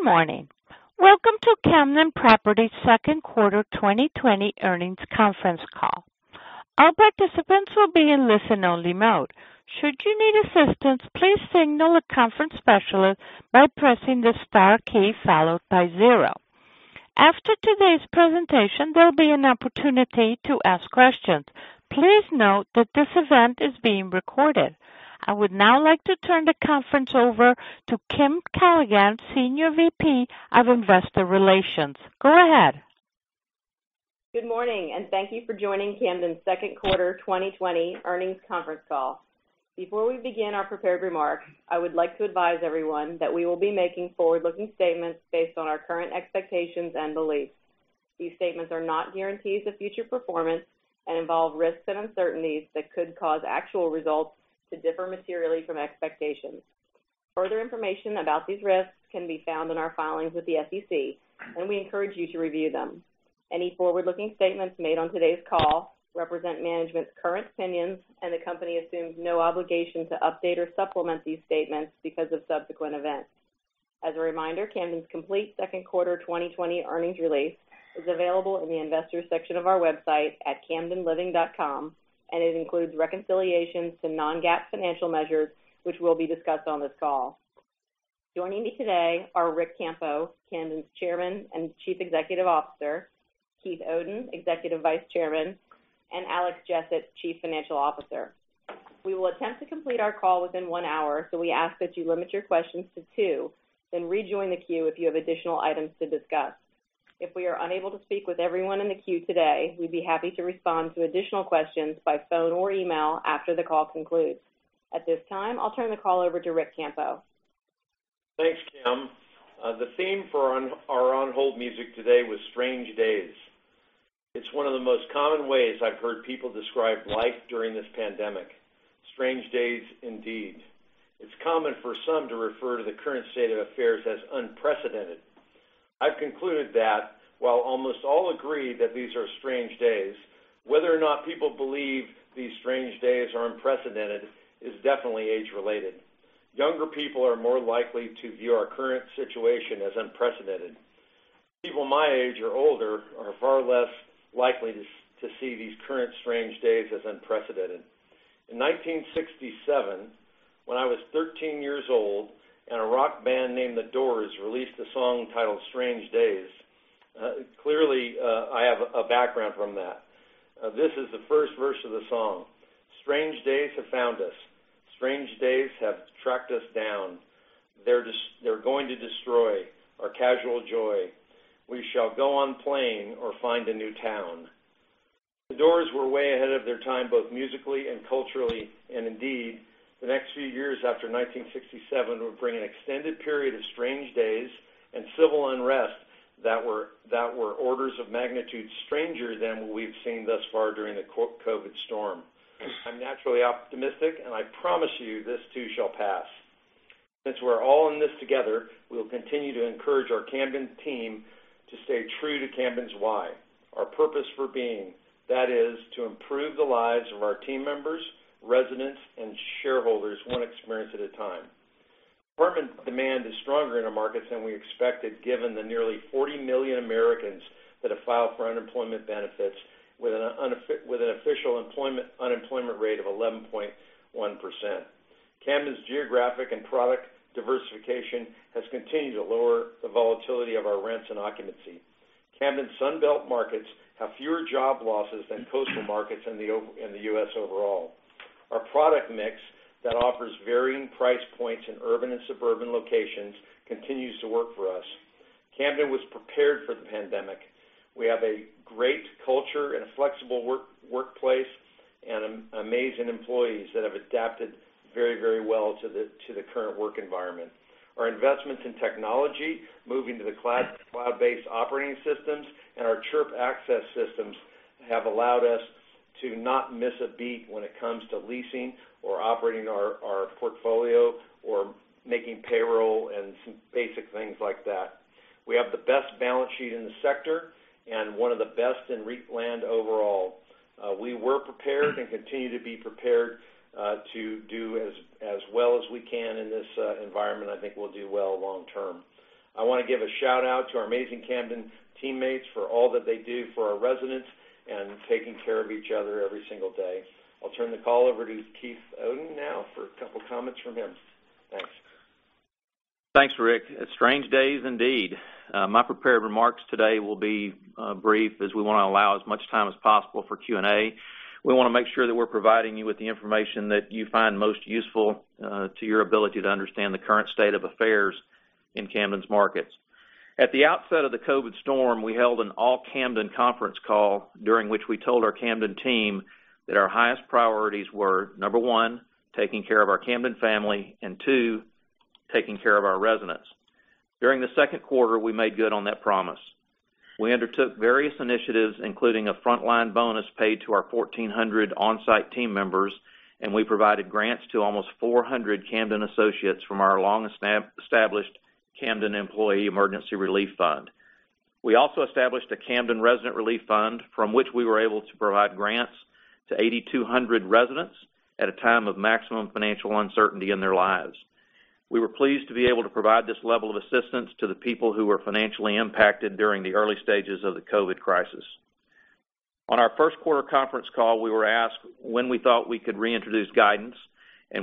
Good morning. Welcome to Camden Property Second Quarter 2020 Earnings Conference Call. All participants will be in listen-only mode. Should you need assistance, please signal a conference specialist by pressing the star key followed by zero. After today's presentation, there will be an opportunity to ask questions. Please note that this event is being recorded. I would now like to turn the conference over to Kim Callahan, Senior VP of Investor Relations. Go ahead. Good morning, and thank you for joining Camden's second quarter 2020 earnings conference call. Before we begin our prepared remarks, I would like to advise everyone that we will be making forward-looking statements based on our current expectations and beliefs. These statements are not guarantees of future performance and involve risks and uncertainties that could cause actual results to differ materially from expectations. Further information about these risks can be found in our filings with the SEC, and we encourage you to review them. Any forward-looking statements made on today's call represent management's current opinions, and the company assumes no obligation to update or supplement these statements because of subsequent events. As a reminder, Camden's complete second quarter 2020 earnings release is available in the Investors section of our website at camdenliving.com, and it includes reconciliations to non-GAAP financial measures, which will be discussed on this call. Joining me today are Ric Campo, Camden's Chairman and Chief Executive Officer, Keith Oden, Executive Vice Chairman, and Alex Jessett, Chief Financial Officer. We will attempt to complete our call within one hour, so we ask that you limit your questions to two, then rejoin the queue if you have additional items to discuss. If we are unable to speak with everyone in the queue today, we would be happy to respond to additional questions by phone or email after the call concludes. At this time, I will turn the call over to Ric Campo. Thanks, Kim. The theme for our on-hold music today was Strange Days. It's one of the most common ways I've heard people describe life during this pandemic. Strange days, indeed. It's common for some to refer to the current state of affairs as unprecedented. I've concluded that while almost all agree that these are strange days, whether or not people believe these strange days are unprecedented is definitely age-related. Younger people are more likely to view our current situation as unprecedented. People my age or older are far less likely to see these current strange days as unprecedented. In 1967, when I was 13 years old and a rock band named The Doors released a song titled "Strange Days," clearly, I have a background from that. This is the first verse of the song. "Strange days have found us. Strange days have tracked us down. They're going to destroy our casual joy. We shall go on playing or find a new town." The Doors were way ahead of their time, both musically and culturally, and indeed, the next few years after 1967 would bring an extended period of strange days and civil unrest that were orders of magnitude stranger than what we've seen thus far during the COVID storm. I'm naturally optimistic, and I promise you, this too shall pass. Since we're all in this together, we will continue to encourage our Camden team to stay true to Camden's why, our purpose for being. That is to improve the lives of our team members, residents, and shareholders one experience at a time. Apartment demand is stronger in our markets than we expected, given the nearly 40 million Americans that have filed for unemployment benefits with an official unemployment rate of 11.1%. Camden's geographic and product diversification has continued to lower the volatility of our rents and occupancy. Camden Sun Belt markets have fewer job losses than coastal markets in the U.S. overall. Our product mix that offers varying price points in urban and suburban locations continues to work for us. Camden was prepared for the pandemic. We have a great culture and a flexible workplace and amazing employees that have adapted very well to the current work environment. Our investments in technology, moving to the cloud-based operating systems, and our Chirp access systems have allowed us to not miss a beat when it comes to leasing or operating our portfolio or making payroll and some basic things like that. We have the best balance sheet in the sector and one of the best in REIT land overall. We were prepared and continue to be prepared to do as well as we can in this environment. I think we'll do well long term. I want to give a shout-out to our amazing Camden teammates for all that they do for our residents and taking care of each other every single day. I'll turn the call over to Keith Oden now for a couple of comments from him. Thanks. Thanks, Ric. Strange days indeed. My prepared remarks today will be brief, as we want to allow as much time as possible for Q&A. We want to make sure that we're providing you with the information that you find most useful to your ability to understand the current state of affairs in Camden's markets. At the outset of the COVID storm, we held an all-Camden conference call during which we told our Camden team that our highest priorities were, number one, taking care of our Camden family, and two, taking care of our residents. During the second quarter, we made good on that promise. We undertook various initiatives, including a frontline bonus paid to our 1,400 on-site team members. We provided grants to almost 400 Camden associates from our long-established Camden Employee Emergency Relief Fund. We also established a Camden Resident Relief Fund from which we were able to provide grants to 8,200 residents at a time of maximum financial uncertainty in their lives. We were pleased to be able to provide this level of assistance to the people who were financially impacted during the early stages of the COVID crisis. On our first quarter conference call, we were asked when we thought we could reintroduce guidance.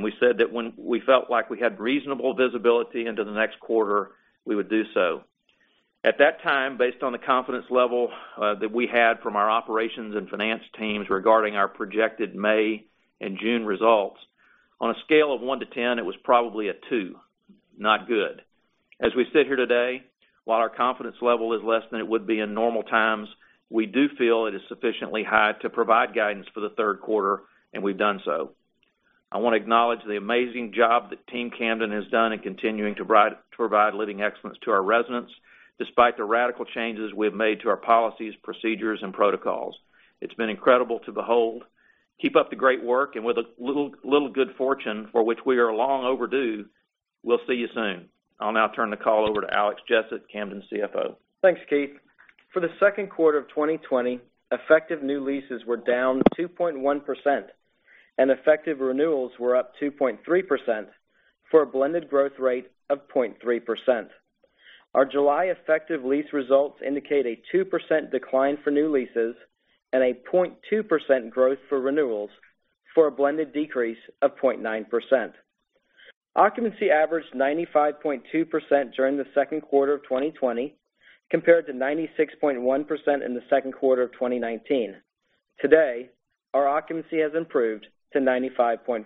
We said that when we felt like we had reasonable visibility into the next quarter, we would do so. At that time, based on the confidence level that we had from our operations and finance teams regarding our projected May and June results, on a scale of 1-10, it was probably a two. Not good. As we sit here today, while our confidence level is less than it would be in normal times, we do feel it is sufficiently high to provide guidance for the third quarter, and we've done so. I want to acknowledge the amazing job that Team Camden has done in continuing to provide leading excellence to our residents, despite the radical changes we have made to our policies, procedures, and protocols. It's been incredible to behold. Keep up the great work, and with a little good fortune, for which we are long overdue, we'll see you soon. I'll now turn the call over to Alex Jessett, Camden's CFO. Thanks, Keith. For the second quarter of 2020, effective new leases were down 2.1%, and effective renewals were up 2.3%, for a blended growth rate of 0.3%. Our July effective lease results indicate a 2% decline for new leases and a 0.2% growth for renewals for a blended decrease of 0.9%. Occupancy averaged 95.2% during the second quarter of 2020, compared to 96.1% in the second quarter of 2019. Today, our occupancy has improved to 95.5%.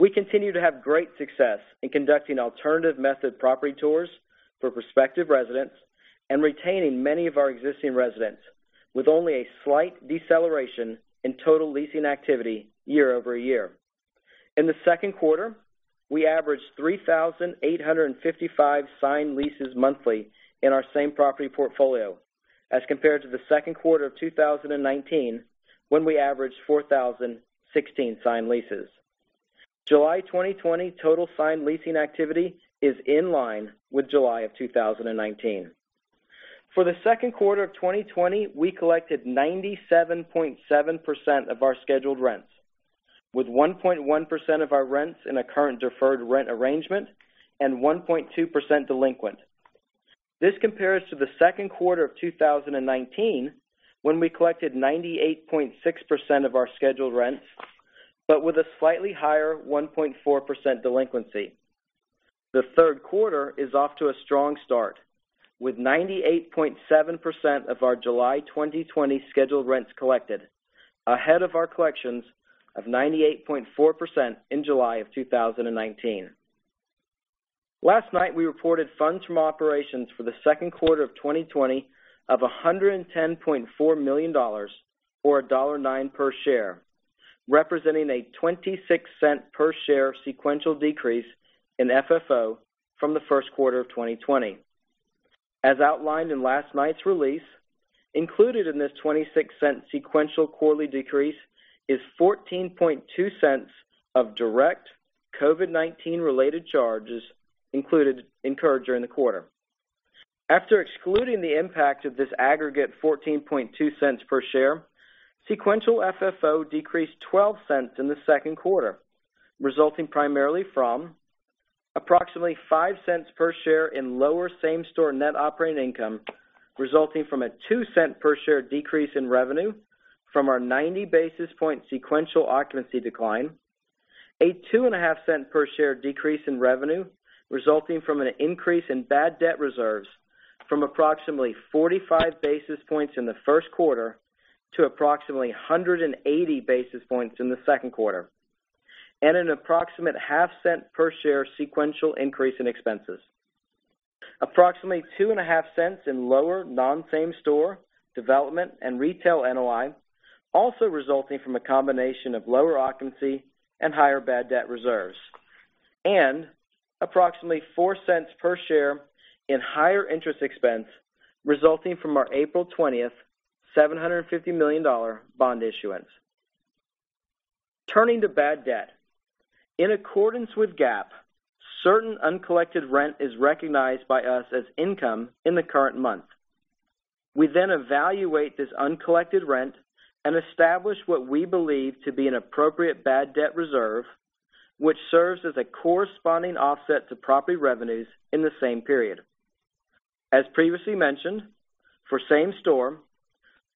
We continue to have great success in conducting alternative method property tours for prospective residents and retaining many of our existing residents, with only a slight deceleration in total leasing activity year-over-year. In the second quarter, we averaged 3,855 signed leases monthly in our same property portfolio as compared to the second quarter of 2019, when we averaged 4,016 signed leases. July 2020 total signed leasing activity is in line with July 2019. For the second quarter of 2020, we collected 97.7% of our scheduled rents, with 1.1% of our rents in a current deferred rent arrangement and 1.2% delinquent. This compares to the second quarter of 2019, when we collected 98.6% of our scheduled rents, with a slightly higher 1.4% delinquency. The third quarter is off to a strong start, with 98.7% of our July 2020 scheduled rents collected, ahead of our collections of 98.4% in July 2019. Last night, we reported funds from operations for the second quarter of 2020 of $110.4 million, or a $1.09 per share, representing a $0.26 per share sequential decrease in FFO from the first quarter of 2020. As outlined in last night's release, included in this $0.26 sequential quarterly decrease is $0.142 of direct COVID-19 related charges incurred during the quarter. After excluding the impact of this aggregate $0.142 per share, sequential FFO decreased $0.12 in the second quarter, resulting primarily from approximately $0.05 per share in lower same-store net operating income, resulting from a $0.02 per share decrease in revenue from our 90 basis points sequential occupancy decline. A $0.025 per share decrease in revenue resulting from an increase in bad debt reserves from approximately 45 basis points in the first quarter to approximately 180 basis points in the second quarter, and an approximate $0.005 per share sequential increase in expenses. Approximately $0.025 in lower non-same store development and retail NOI, also resulting from a combination of lower occupancy and higher bad debt reserves. Approximately $0.04 per share in higher interest expense resulting from our April 20th $750 million bond issuance. Turning to bad debt. In accordance with GAAP, certain uncollected rent is recognized by us as income in the current month. We evaluate this uncollected rent and establish what we believe to be an appropriate bad debt reserve, which serves as a corresponding offset to property revenues in the same period. As previously mentioned, for same store,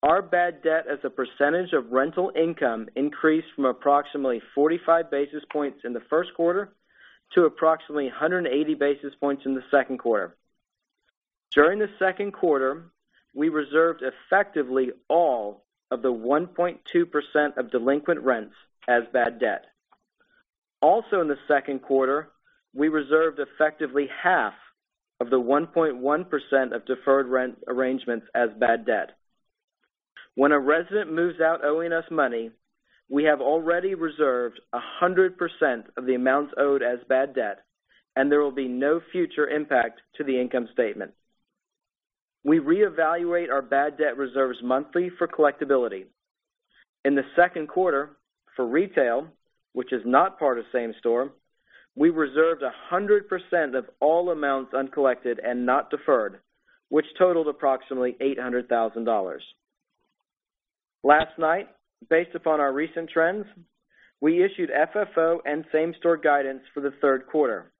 our bad debt as a percentage of rental income increased from approximately 45 basis points in the first quarter to approximately 180 basis points in the second quarter. During the second quarter, we reserved effectively all of the 1.2% of delinquent rents as bad debt. In the second quarter, we reserved effectively half of the 1.1% of deferred rent arrangements as bad debt. When a resident moves out owing us money, we have already reserved 100% of the amounts owed as bad debt, and there will be no future impact to the income statement. We reevaluate our bad debt reserves monthly for collectibility. In the second quarter for retail, which is not part of same-store, we reserved 100% of all amounts uncollected and not deferred, which totaled approximately $800,000. Last night, based upon our recent trends, we issued FFO and same-store guidance for the third quarter.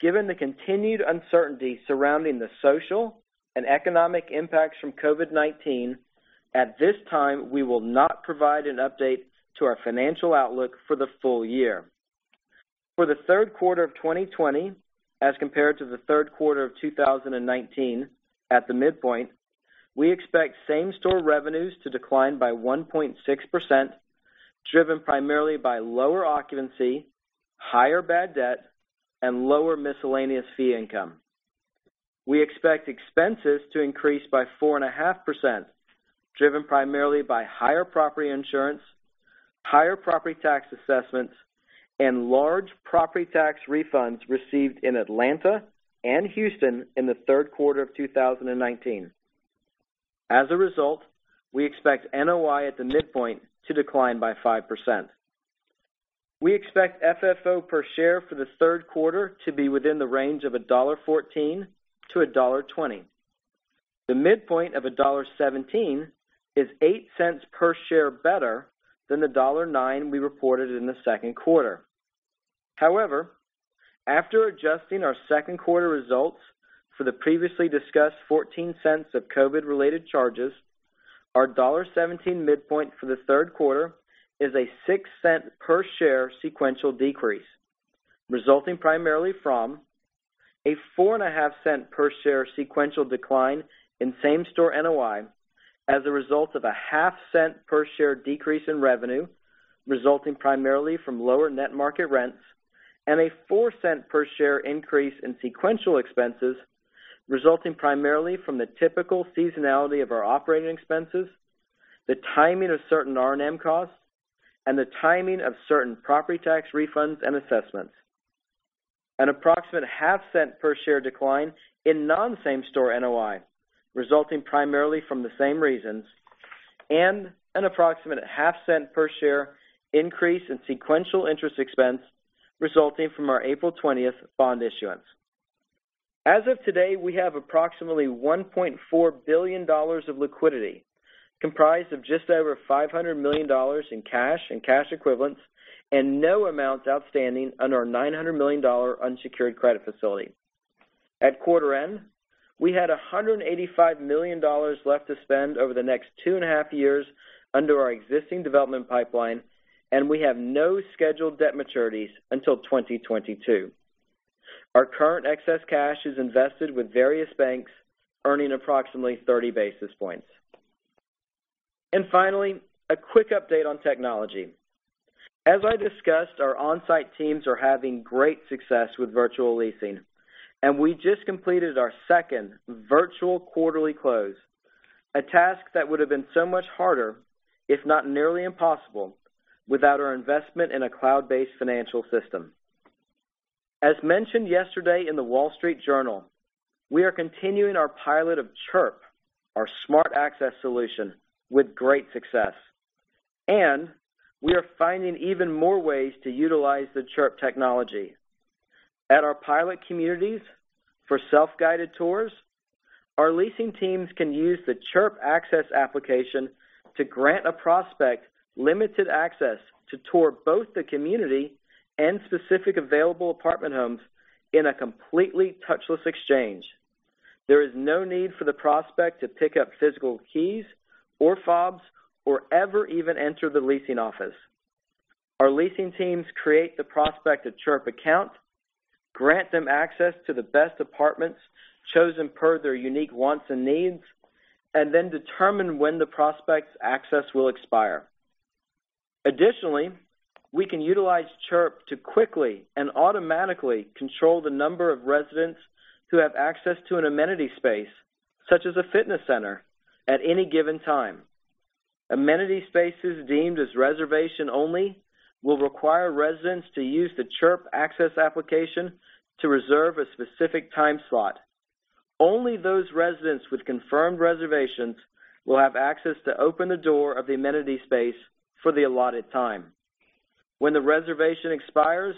Given the continued uncertainty surrounding the social and economic impacts from COVID-19, at this time, we will not provide an update to our financial outlook for the full year. For the third quarter of 2020 as compared to the third quarter of 2019, at the midpoint, we expect same-store revenues to decline by 1.6%, driven primarily by lower occupancy, higher bad debt, and lower miscellaneous fee income. We expect expenses to increase by 4.5%, driven primarily by higher property insurance, higher property tax assessments, and large property tax refunds received in Atlanta and Houston in the third quarter of 2019. As a result, we expect NOI at the midpoint to decline by 5%. We expect FFO per share for the third quarter to be within the range of $1.14-$1.20. The midpoint of $1.17 is $0.08 per share better than the $1.09 we reported in the second quarter. After adjusting our second quarter results for the previously discussed $0.14 of COVID-related charges, our $1.17 midpoint for the third quarter is a $0.06 per share sequential decrease, resulting primarily from a $0.045 per share sequential decline in same-store NOI as a result of a $0.005 per share decrease in revenue, resulting primarily from lower net market rents, and a $0.04 per share increase in sequential expenses, resulting primarily from the typical seasonality of our operating expenses, the timing of certain R&M costs, and the timing of certain property tax refunds and assessments. An approximate $0.005 per share decline in non-same-store NOI, resulting primarily from the same reasons, and an approximate $0.005 per share increase in sequential interest expense resulting from our April 20th bond issuance. As of today, we have approximately $1.4 billion of liquidity, comprised of just over $500 million in cash and cash equivalents and no amounts outstanding under our $900 million unsecured credit facility. At quarter end, we had $185 million left to spend over the next two and a half years under our existing development pipeline, and we have no scheduled debt maturities until 2022. Our current excess cash is invested with various banks, earning approximately 30 basis points. Finally, a quick update on technology. As I discussed, our on-site teams are having great success with virtual leasing, and we just completed our second virtual quarterly close, a task that would've been so much harder, if not nearly impossible, without our investment in a cloud-based financial system. As mentioned yesterday in The Wall Street Journal, we are continuing our pilot of Chirp, our smart access solution, with great success. We are finding even more ways to utilize the Chirp technology. At our pilot communities for self-guided tours, our leasing teams can use the Chirp access application to grant a prospect limited access to tour both the community and specific available apartment homes in a completely touchless exchange. There is no need for the prospect to pick up physical keys or fobs or ever even enter the leasing office. Our leasing teams create the prospect a Chirp account, grant them access to the best apartments chosen per their unique wants and needs, and then determine when the prospect's access will expire. Additionally, we can utilize Chirp to quickly and automatically control the number of residents who have access to an amenity space, such as a fitness center, at any given time. Amenity spaces deemed as reservation only will require residents to use the Chirp access application to reserve a specific time slot. Only those residents with confirmed reservations will have access to open the door of the amenity space for the allotted time. When the reservation expires,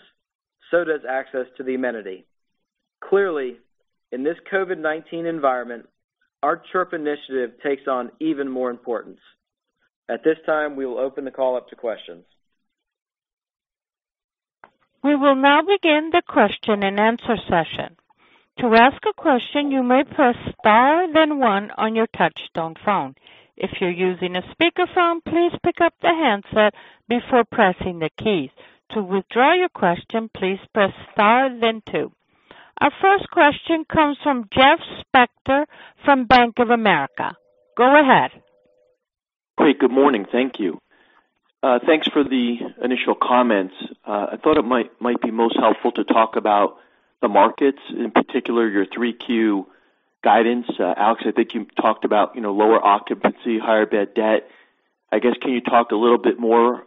so does access to the amenity. Clearly, in this COVID-19 environment, our Chirp initiative takes on even more importance. At this time, we will open the call up to questions. We will now begin the question and answer session. To ask a question, you may press star then one on your touchtone phone. If you're using a speakerphone, please pick up the handset before pressing the keys. To withdraw your question, please press star then two. Our first question comes from Jeff Spector from Bank of America. Go ahead. Great. Good morning. Thank you. Thanks for the initial comments. I thought it might be most helpful to talk about the markets, in particular, your Q3 guidance. Alex, I think you talked about lower occupancy, higher bad debt. I guess can you talk a little bit more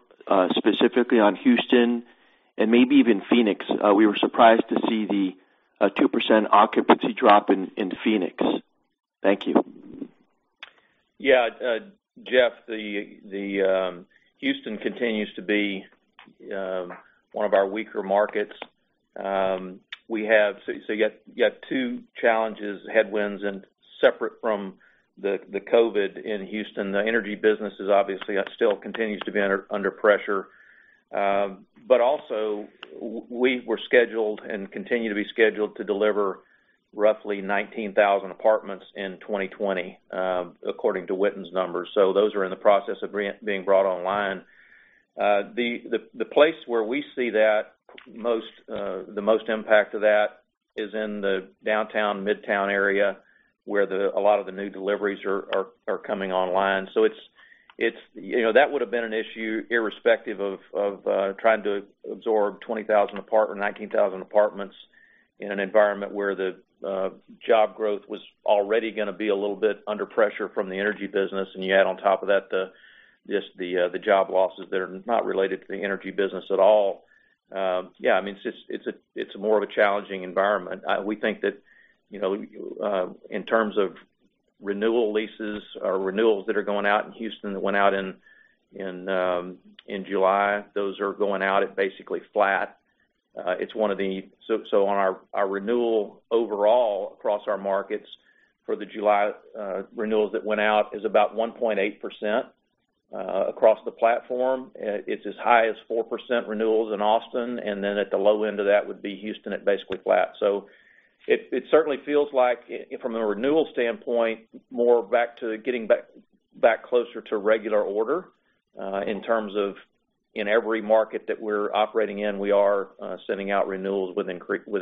specifically on Houston? Maybe even Phoenix. We were surprised to see the 2% occupancy drop in Phoenix. Thank you. Jeff, the Houston continues to be one of our weaker markets. You got two challenges, headwinds, and separate from the COVID in Houston, the energy business obviously still continues to be under pressure. Also, we were scheduled and continue to be scheduled to deliver roughly 19,000 apartments in 2020, according to Witten's numbers. Those are in the process of being brought online. The place where we see the most impact of that is in the downtown, midtown area, where a lot of the new deliveries are coming online. That would've been an issue irrespective of trying to absorb 20,000 apartments or 19,000 apartments in an environment where the job growth was already going to be a little bit under pressure from the energy business, you add on top of that just the job losses that are not related to the energy business at all. It's more of a challenging environment. We think that in terms of renewal leases or renewals that are going out in Houston that went out in July, those are going out at basically flat. On our renewal overall across our markets for the July renewals that went out is about 1.8% across the platform. It's as high as 4% renewals in Austin, and then at the low end of that would be Houston at basically flat. It certainly feels like, from a renewal standpoint, more back to getting back closer to regular order, in terms of in every market that we're operating in, we are sending out renewals with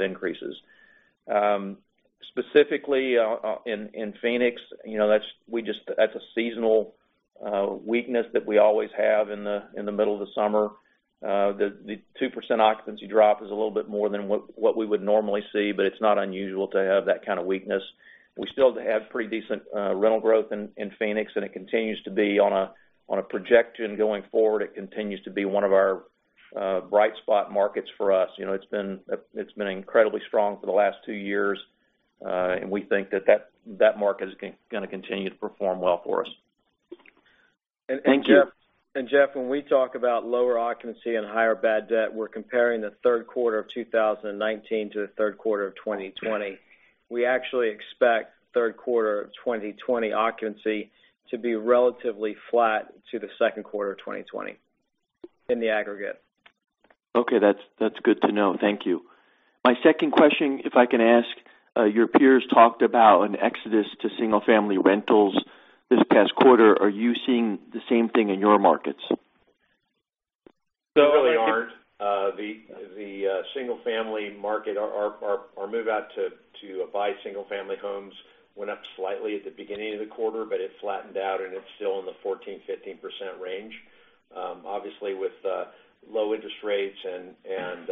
increases. Specifically, in Phoenix, that's a seasonal weakness that we always have in the middle of the summer. The 2% occupancy drop is a little bit more than what we would normally see, but it's not unusual to have that kind of weakness. We still have pretty decent rental growth in Phoenix, and it continues to be on a projection going forward. It continues to be one of our bright spot markets for us. It's been incredibly strong for the last two years. We think that market is going to continue to perform well for us. Thank you. Jeff, when we talk about lower occupancy and higher bad debt, we're comparing the third quarter of 2019 to the third quarter of 2020. We actually expect third quarter of 2020 occupancy to be relatively flat to the second quarter of 2020 in the aggregate. Okay. That's good to know. Thank you. My second question, if I can ask, your peers talked about an exodus to single-family rentals this past quarter. Are you seeing the same thing in your markets? No, we aren't. The single-family market, our move-out to buy single-family homes went up slightly at the beginning of the quarter, but it flattened out, and it's still in the 14%-15% range. Obviously, with low interest rates and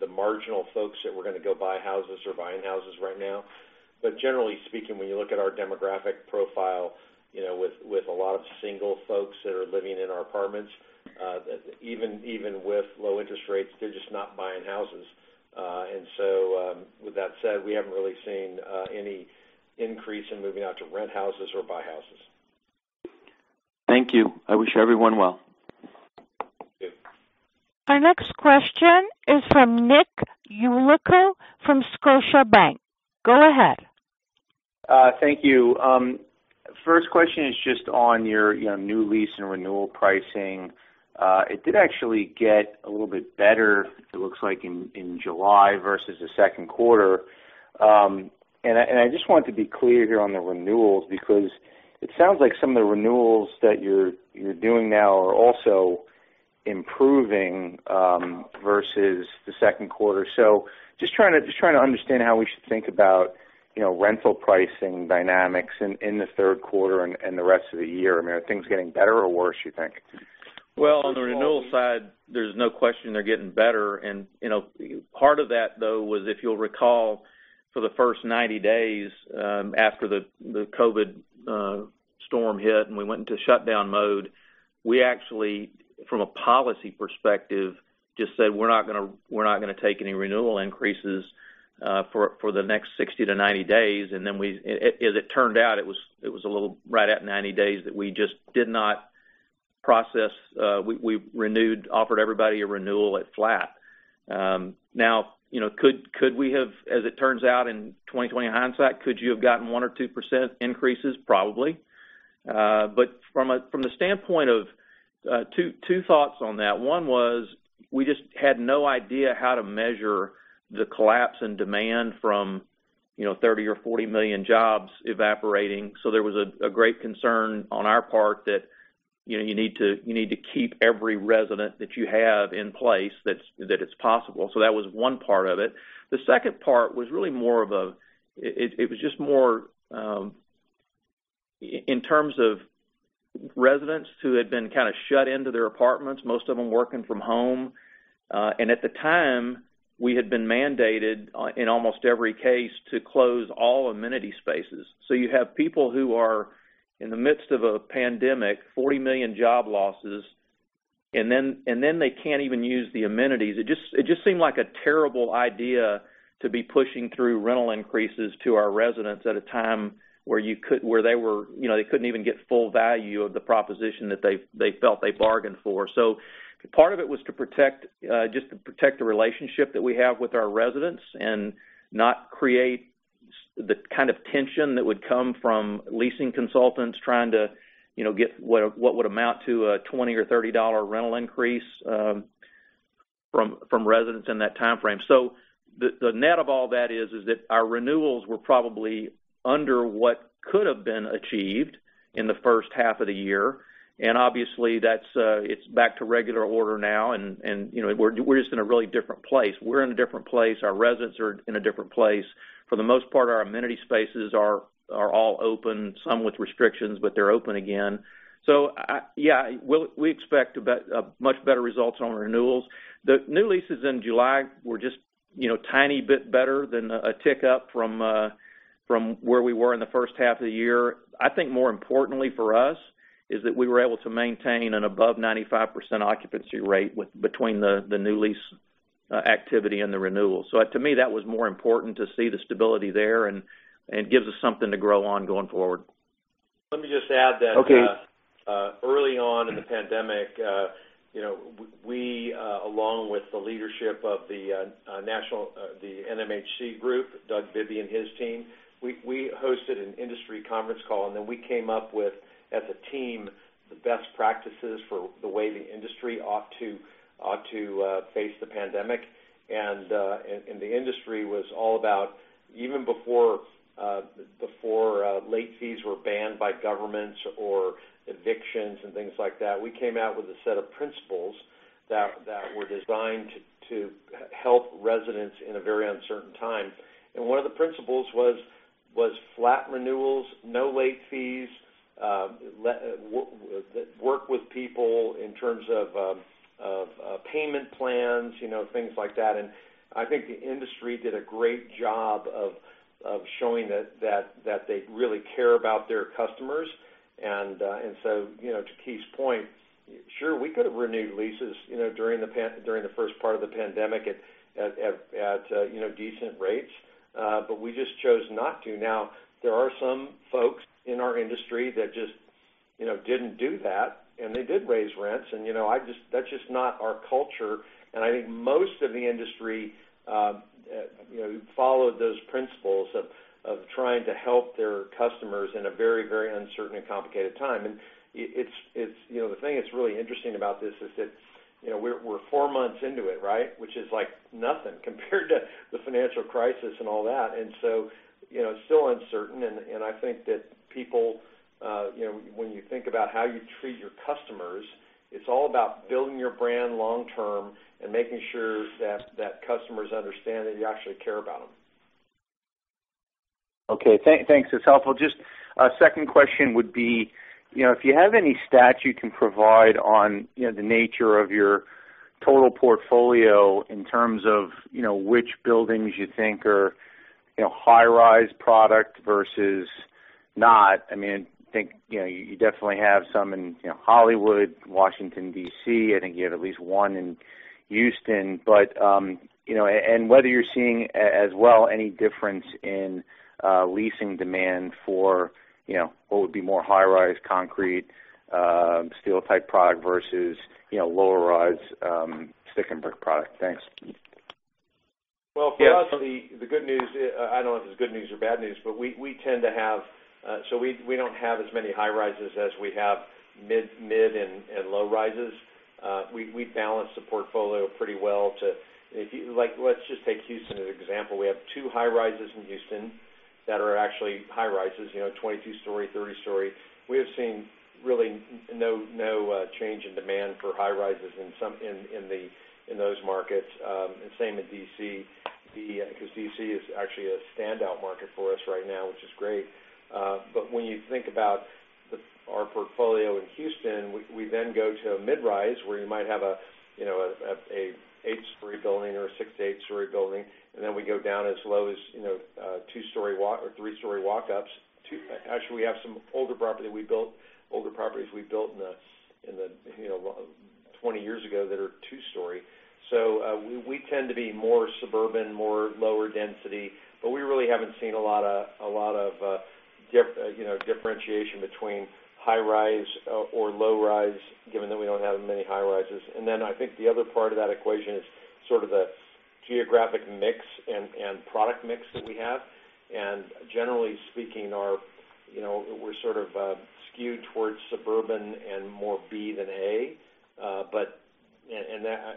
the marginal folks that were going to go buy houses are buying houses right now. Generally speaking, when you look at our demographic profile, with a lot of single folks that are living in our apartments, even with low interest rates, they're just not buying houses. With that said, we haven't really seen any increase in moving out to rent houses or buy houses. Thank you. I wish everyone well. Thank you. Our next question is from Nick Yulico from Scotiabank. Go ahead. Thank you. First question is just on your new lease and renewal pricing. It did actually get a little bit better, it looks like, in July versus the second quarter. I just wanted to be clear here on the renewals, because it sounds like some of the renewals that you're doing now are also improving, versus the second quarter. Just trying to understand how we should think about rental pricing dynamics in the third quarter and the rest of the year. Are things getting better or worse, you think? Well, on the renewal side, there's no question they're getting better, and part of that, though, was if you'll recall, for the first 90 days after the COVID storm hit and we went into shutdown mode, we actually, from a policy perspective, just said we're not going to take any renewal increases for the next 60 to 90 days, and as it turned out, it was right at 90 days that we just did not process. We offered everybody a renewal at flat. Could we have, as it turns out, in 2020 hindsight, could you have gotten 1% or 2% increases? Probably. From the standpoint of two thoughts on that, one was we just had no idea how to measure the collapse in demand from 30 million or 40 million jobs evaporating. There was a great concern on our part that you need to keep every resident that you have in place, that it's possible, so that's one part of it. The second part was really. It was just more, in terms of residents who had been kind of shut into their apartments, most of them working from home. At the time. We had been mandated in almost every case to close all amenity spaces. You have people who are in the midst of a pandemic, 40 million job losses, and then they can't even use the amenities. It just seemed like a terrible idea to be pushing through rental increases to our residents at a time where they couldn't even get full value of the proposition that they felt they bargained for. Part of it was just to protect the relationship that we have with our residents and not create the kind of tension that would come from leasing consultants trying to get what would amount to a $20 or $30 rental increase from residents in that timeframe. The net of all that is that our renewals were probably under what could've been achieved in the first half of the year, and obviously it's back to regular order now, and we're just in a really different place. We're in a different place. Our residents are in a different place. For the most part, our amenity spaces are all open, some with restrictions, but they're open again. Yeah, we expect much better results on renewals. The new leases in July were just a tiny bit better than a tick up from where we were in the first half of the year. I think more importantly for us is that we were able to maintain an above 95% occupancy rate between the new lease activity and the renewals. To me, that was more important to see the stability there, and gives us something to grow on going forward. Let me just add that. Okay. Early on in the pandemic, we, along with the leadership of the National, the NMHC group, Doug Bibby and his team, we hosted an industry conference call. Then we came up with, as a team, the best practices for the way the industry ought to face the pandemic. The industry was all about, even before late fees were banned by governments or evictions and things like that, we came out with a set of principles that were designed to help residents in a very uncertain time. One of the principles was flat renewals, no late fees, work with people in terms of payment plans, things like that. I think the industry did a great job of showing that they really care about their customers. To Keith's point, sure, we could've renewed leases during the first part of the pandemic at decent rates, but we just chose not to. Now, there are some folks in our industry that just didn't do that, and they did raise rents, and that's just not our culture, and I think most of the industry followed those principles of trying to help their customers in a very, very uncertain and complicated time. The thing that's really interesting about this is that we're four months into it, which is like nothing compared to the financial crisis and all that. It's still uncertain, and I think that people, when you think about how you treat your customers, it's all about building your brand long-term and making sure that customers understand that you actually care about them. Okay. Thanks. That's helpful. Just a second question would be if you have any stats you can provide on the nature of your total portfolio in terms of which buildings you think are high-rise product versus not. I think you definitely have some in Hollywood, Washington, D.C., I think you have at least one in Houston. Whether you're seeing, as well, any difference in leasing demand for what would be more high-rise concrete, steel-type product versus lower-rise stick-and-brick product. Thanks. Well, for us, the good news I don't know if it's good news or bad news, but we don't have as many high-rises as we have mid- and low-rises. We balanced the portfolio pretty well. Let's just take Houston as an example. We have two high-rises in Houston that are actually high-rises, 22-story, 30-story. We have seen really no change in demand for high-rises in those markets. Same in D.C., because D.C. is actually a standout market for us right now, which is great. When you think about our portfolio in Houston, we then go to a mid-rise, where you might have an eight-story building or a six to eight-story building, and then we go down as low as two-story walk or three-story walk-ups. Actually, we have some older properties we built 20 years ago that are two-story. We tend to be more suburban, more lower density, but we really haven't seen a lot of differentiation between high-rise or low-rise, given that we don't have many high-rises. Then I think the other part of that equation is sort of the geographic mix and product mix that we have. Generally speaking, we're sort of skewed towards suburban and more B than A.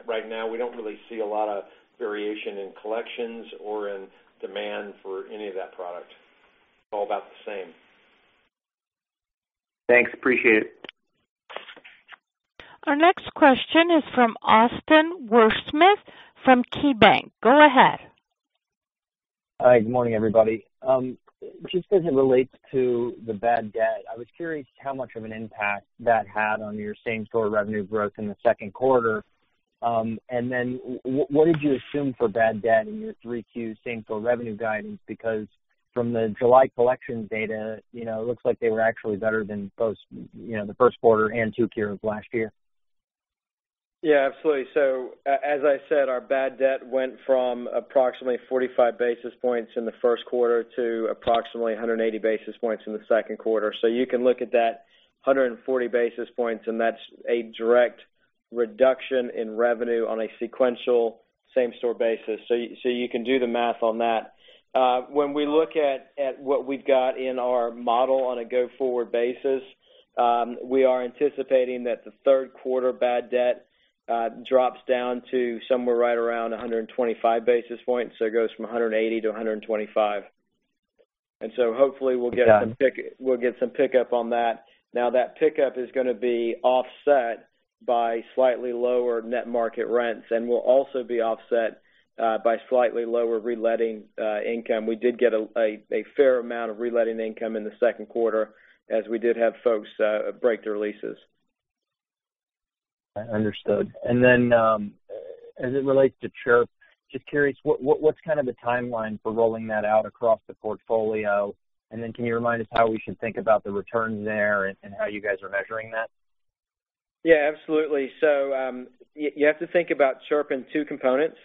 Right now, we don't really see a lot of variation in collections or in demand for any of that product. It's all about the same. Thanks. Appreciate it. Our next question is from Austin Wurschmidt from KeyBanc. Go ahead. Hi, good morning, everybody. Just as it relates to the bad debt, I was curious how much of an impact that had on your same-store revenue growth in the second quarter. What did you assume for bad debt in your 3Q same-store revenue guidance? Because from the July collections data, it looks like they were actually better than both the first quarter and 2Q of last year. Yeah, absolutely. As I said, our bad debt went from approximately 45 basis points in the first quarter to approximately 180 basis points in the second quarter. You can look at that 140 basis points, and that's a direct reduction in revenue on a sequential same-store basis. You can do the math on that. When we look at what we've got in our model on a go-forward basis, we are anticipating that the third quarter bad debt drops down to somewhere right around 125 basis points. It goes from 180 to 125. Hopefully we'll get some pickup on that. Now, that pickup is going to be offset by slightly lower net market rents, and will also be offset by slightly lower reletting income. We did get a fair amount of reletting income in the second quarter as we did have folks break their leases. Understood. As it relates to Chirp, just curious, what's kind of the timeline for rolling that out across the portfolio? Can you remind us how we should think about the returns there, and how you guys are measuring that? Yeah, absolutely. You have to think about Chirp in two components.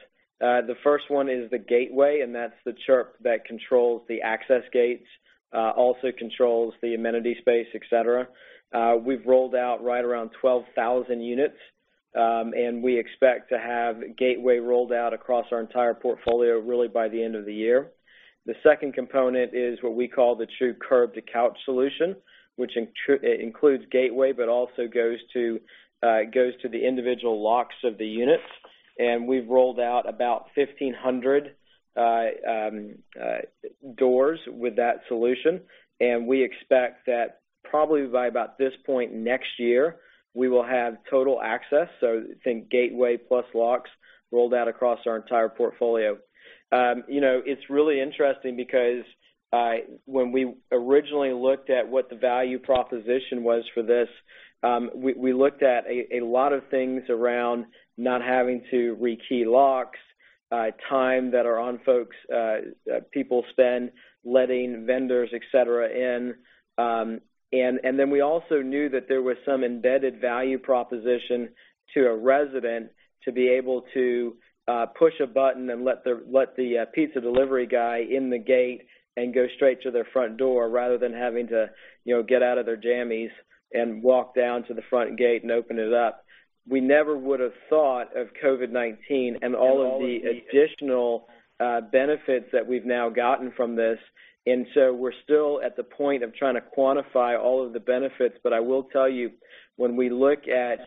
The first one is the gateway, and that's the Chirp that controls the access gates, also controls the amenity space, et cetera. We've rolled out right around 12,000 units, and we expect to have gateway rolled out across our entire portfolio, really by the end of the year. The second component is what we call the true curb-to-couch solution, which includes gateway, but also goes to the individual locks of the units, and we've rolled out about 1,500 doors with that solution. We expect that probably by about this point next year, we will have total access. Think gateway plus locks rolled out across our entire portfolio. It's really interesting because when we originally looked at what the value proposition was for this, we looked at a lot of things around not having to rekey locks, time that are on folks, people spend letting vendors, et cetera, in. We also knew that there was some embedded value proposition to a resident to be able to push a button and let the pizza delivery guy in the gate and go straight to their front door rather than having to get out of their jammies and walk down to the front gate and open it up. We never would've thought of COVID-19 and all of the additional benefits that we've now gotten from this, we're still at the point of trying to quantify all of the benefits. I will tell you, when we look at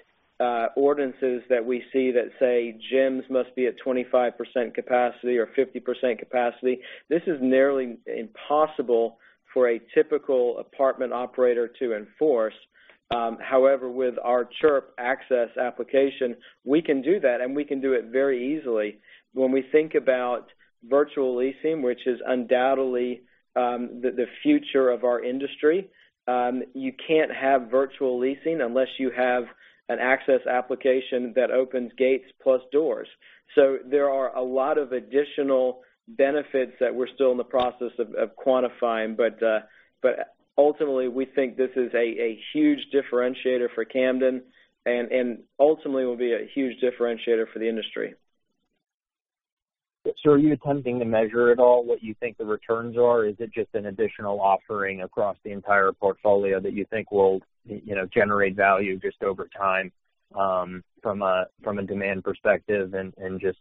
ordinances that we see that say gyms must be at 25% capacity or 50% capacity, this is nearly impossible for a typical apartment operator to enforce. However, with our Chirp access application, we can do that, and we can do it very easily. When we think about virtual leasing, which is undoubtedly the future of our industry, you can't have virtual leasing unless you have an access application that opens gates plus doors. There are a lot of additional benefits that we're still in the process of quantifying. Ultimately, we think this is a huge differentiator for Camden and ultimately will be a huge differentiator for the industry. Are you attempting to measure at all what you think the returns are, or is it just an additional offering across the entire portfolio that you think will generate value just over time from a demand perspective and just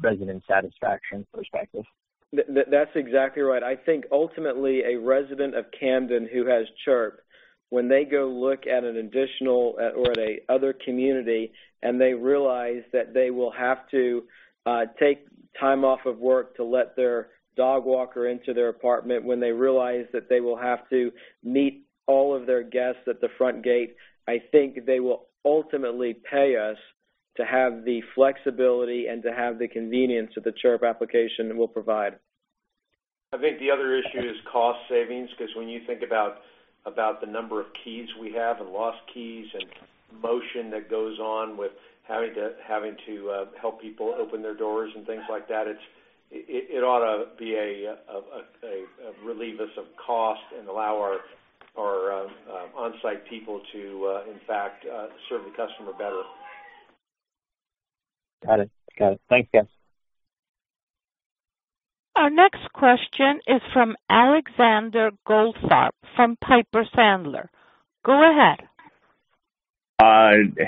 resident satisfaction perspective? That's exactly right. I think ultimately a resident of Camden who has Chirp, when they go look at an additional or at a other community and they realize that they will have to take time off of work to let their dog walker into their apartment, when they realize that they will have to meet all of their guests at the front gate, I think they will ultimately pay us to have the flexibility and to have the convenience that the Chirp application will provide. I think the other issue is cost savings, because when you think about the number of keys we have, and lost keys, and motion that goes on with having to help people open their doors and things like that, it ought to relieve us of cost and allow our onsite people to, in fact, serve the customer better. Got it. Thanks, guys. Our next question is from Alexander Goldfarb from Piper Sandler. Go ahead.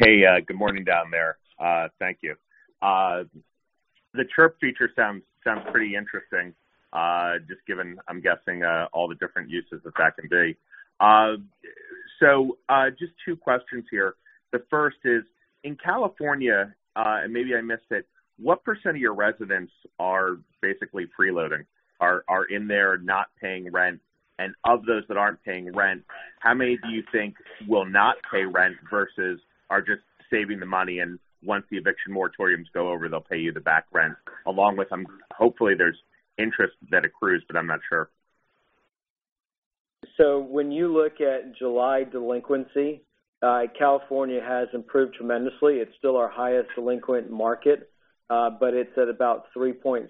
Hey, good morning down there. Thank you. The Chirp feature sounds pretty interesting, just given, I'm guessing, all the different uses that that can be. Just two questions here. The first is, in California, and maybe I missed it, what percent of your residents are basically freeloading, are in there not paying rent? Of those that aren't paying rent, how many do you think will not pay rent versus are just saving the money and once the eviction moratoriums go over, they'll pay you the back rent along with, hopefully there's interest that accrues, but I'm not sure. When you look at July delinquency, California has improved tremendously. It's still our highest delinquent market, but it's at about 3.6%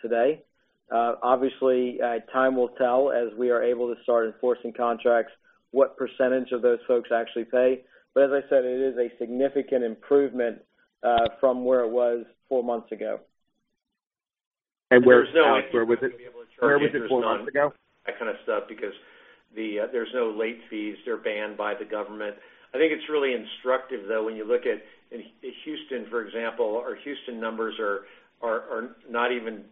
today. Obviously, time will tell, as we are able to start enforcing contracts, what percentage of those folks actually pay. As I said, it is a significant improvement from where it was four months ago. Where was it four months ago? There's no incentive to be able to charge interest on that kind of stuff because there's no late fees. They're banned by the government. I think it's really instructive, though, when you look at Houston, for example. Our Houston numbers are not even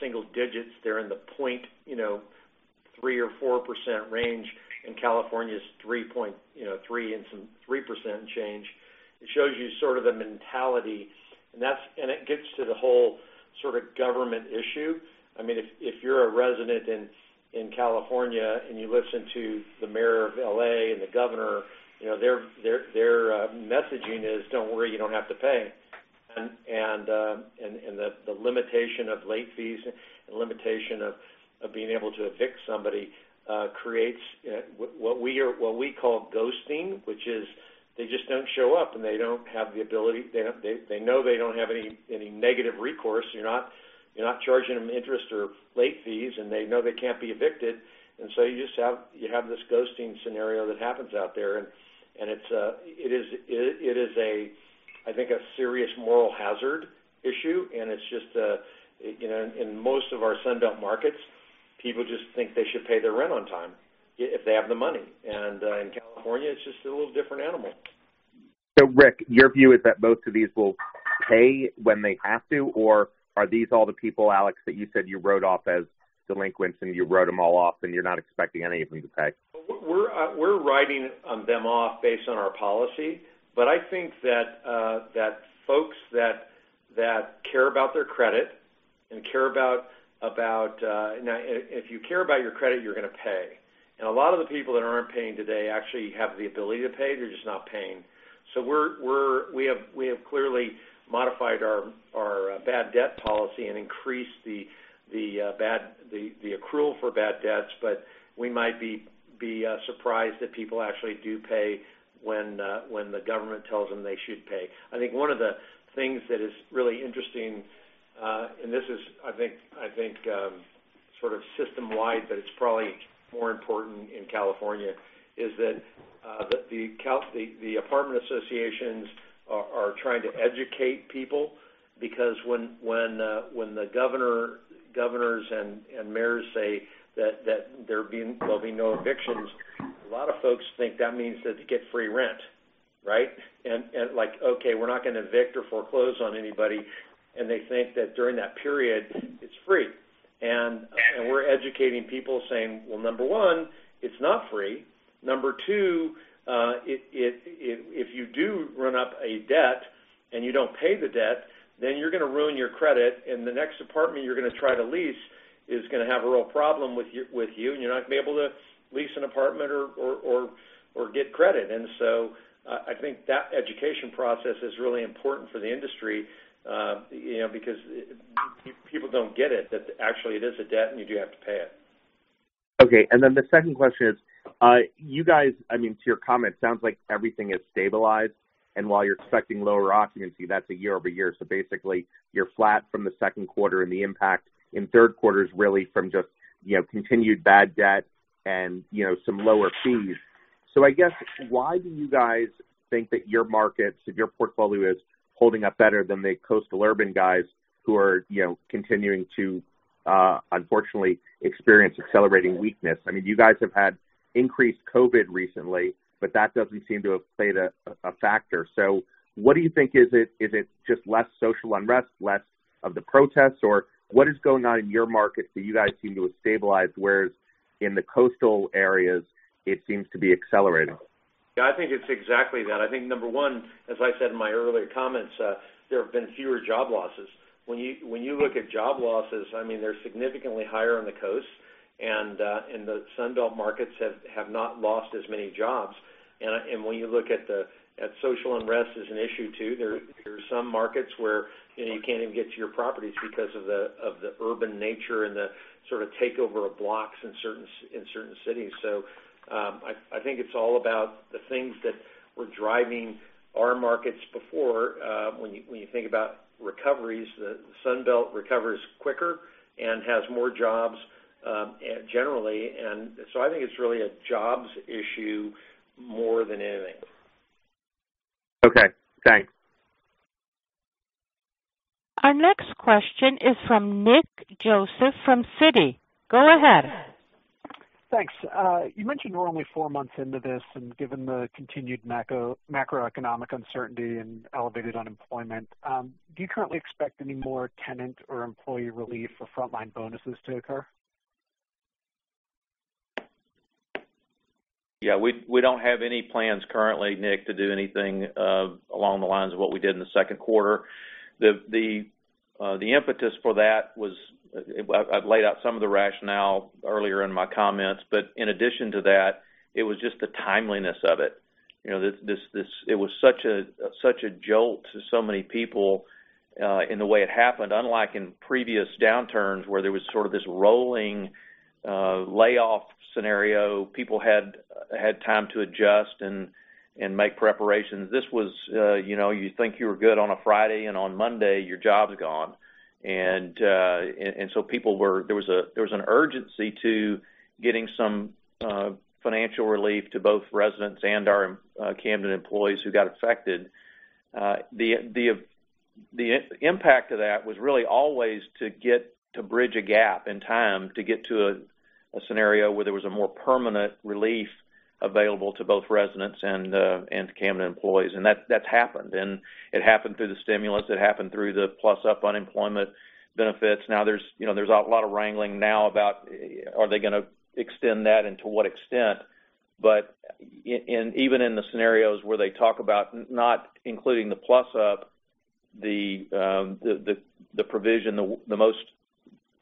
single digits. They're in the 0.3% or 4% range, and California's 3% change. It shows you sort of the mentality. It gets to the whole sort of government issue. If you're a resident in California and you listen to the mayor of L.A. and the governor, their messaging is, "Don't worry, you don't have to pay." The limitation of late fees and limitation of being able to evict somebody creates what we call ghosting, which is they just don't show up, and they know they don't have any negative recourse. You're not charging them interest or late fees, and they know they can't be evicted. You have this ghosting scenario that happens out there. It is, I think, a serious moral hazard issue, and in most of our Sun Belt markets, people just think they should pay their rent on time if they have the money. In California, it's just a little different animal. Ric, your view is that most of these will pay when they have to, or are these all the people, Alex, that you said you wrote off as delinquents and you wrote them all off and you're not expecting any of them to pay? We're writing them off based on our policy. I think that folks that care about their credit, you're going to pay. A lot of the people that aren't paying today actually have the ability to pay, they're just not paying. We have clearly modified our bad debt policy and increased the accrual for bad debts. We might be surprised that people actually do pay when the government tells them they should pay. I think one of the things that is really interesting, this is, I think, sort of system-wide, it's probably more important in California, is that the apartment associations are trying to educate people. Because when the governors and mayors say that there'll be no evictions, a lot of folks think that means that they get free rent, right? Like, okay, we're not going to evict or foreclose on anybody. They think that during that period it's free. We're educating people saying, well, number one, it's not free. Number two, if you do run up a debt and you don't pay the debt, then you're going to ruin your credit, and the next apartment you're going to try to lease is going to have a real problem with you, and you're not going to be able to lease an apartment or get credit. I think that education process is really important for the industry, because people don't get it, that actually it is a debt, and you do have to pay it. The second question is, you guys, to your comment, sounds like everything is stabilized. While you're expecting lower occupancy, that's a year-over-year. Basically you're flat from the second quarter, and the impact in third quarter is really from just continued bad debt and some lower fees. I guess why do you guys think that your markets and your portfolio is holding up better than the coastal urban guys who are continuing to, unfortunately, experience accelerating weakness? You guys have had increased COVID recently, but that doesn't seem to have played a factor. What do you think is it? Is it just less social unrest, less of the protests? What is going on in your market that you guys seem to have stabilized, whereas in the coastal areas, it seems to be accelerating? I think it's exactly that. I think number one, as I said in my earlier comments, there have been fewer job losses. When you look at job losses, they're significantly higher on the coast, and the Sun Belt markets have not lost as many jobs. When you look at social unrest is an issue, too. There are some markets where you can't even get to your properties because of the urban nature and the sort of takeover of blocks in certain cities. I think it's all about the things that were driving our markets before. When you think about recoveries, the Sun Belt recovers quicker and has more jobs generally. I think it's really a jobs issue more than anything. Okay, thanks. Our next question is from Nick Joseph from Citi. Go ahead. Thanks. You mentioned we're only four months into this, and given the continued macroeconomic uncertainty and elevated unemployment, do you currently expect any more tenant or employee relief or frontline bonuses to occur? Yeah, we don't have any plans currently, Nick, to do anything along the lines of what we did in the second quarter. The impetus for that was, I've laid out some of the rationale earlier in my comments, but in addition to that, it was just the timeliness of it. it was such a jolt to so many people in the way it happened, unlike in previous downturns where there was sort of this rolling layoff scenario. People had time to adjust and make preparations. This was, you think you were good on a Friday, and on Monday, your job's gone. There was an urgency to getting some financial relief to both residents and our Camden employees who got affected. The impact of that was really always to bridge a gap in time to get to a scenario where there was a more permanent relief available to both residents and to Camden employees. That's happened, and it happened through the stimulus. It happened through the plus-up unemployment benefits. There's a lot of wrangling now about are they going to extend that and to what extent. Even in the scenarios where they talk about not including the plus-up, the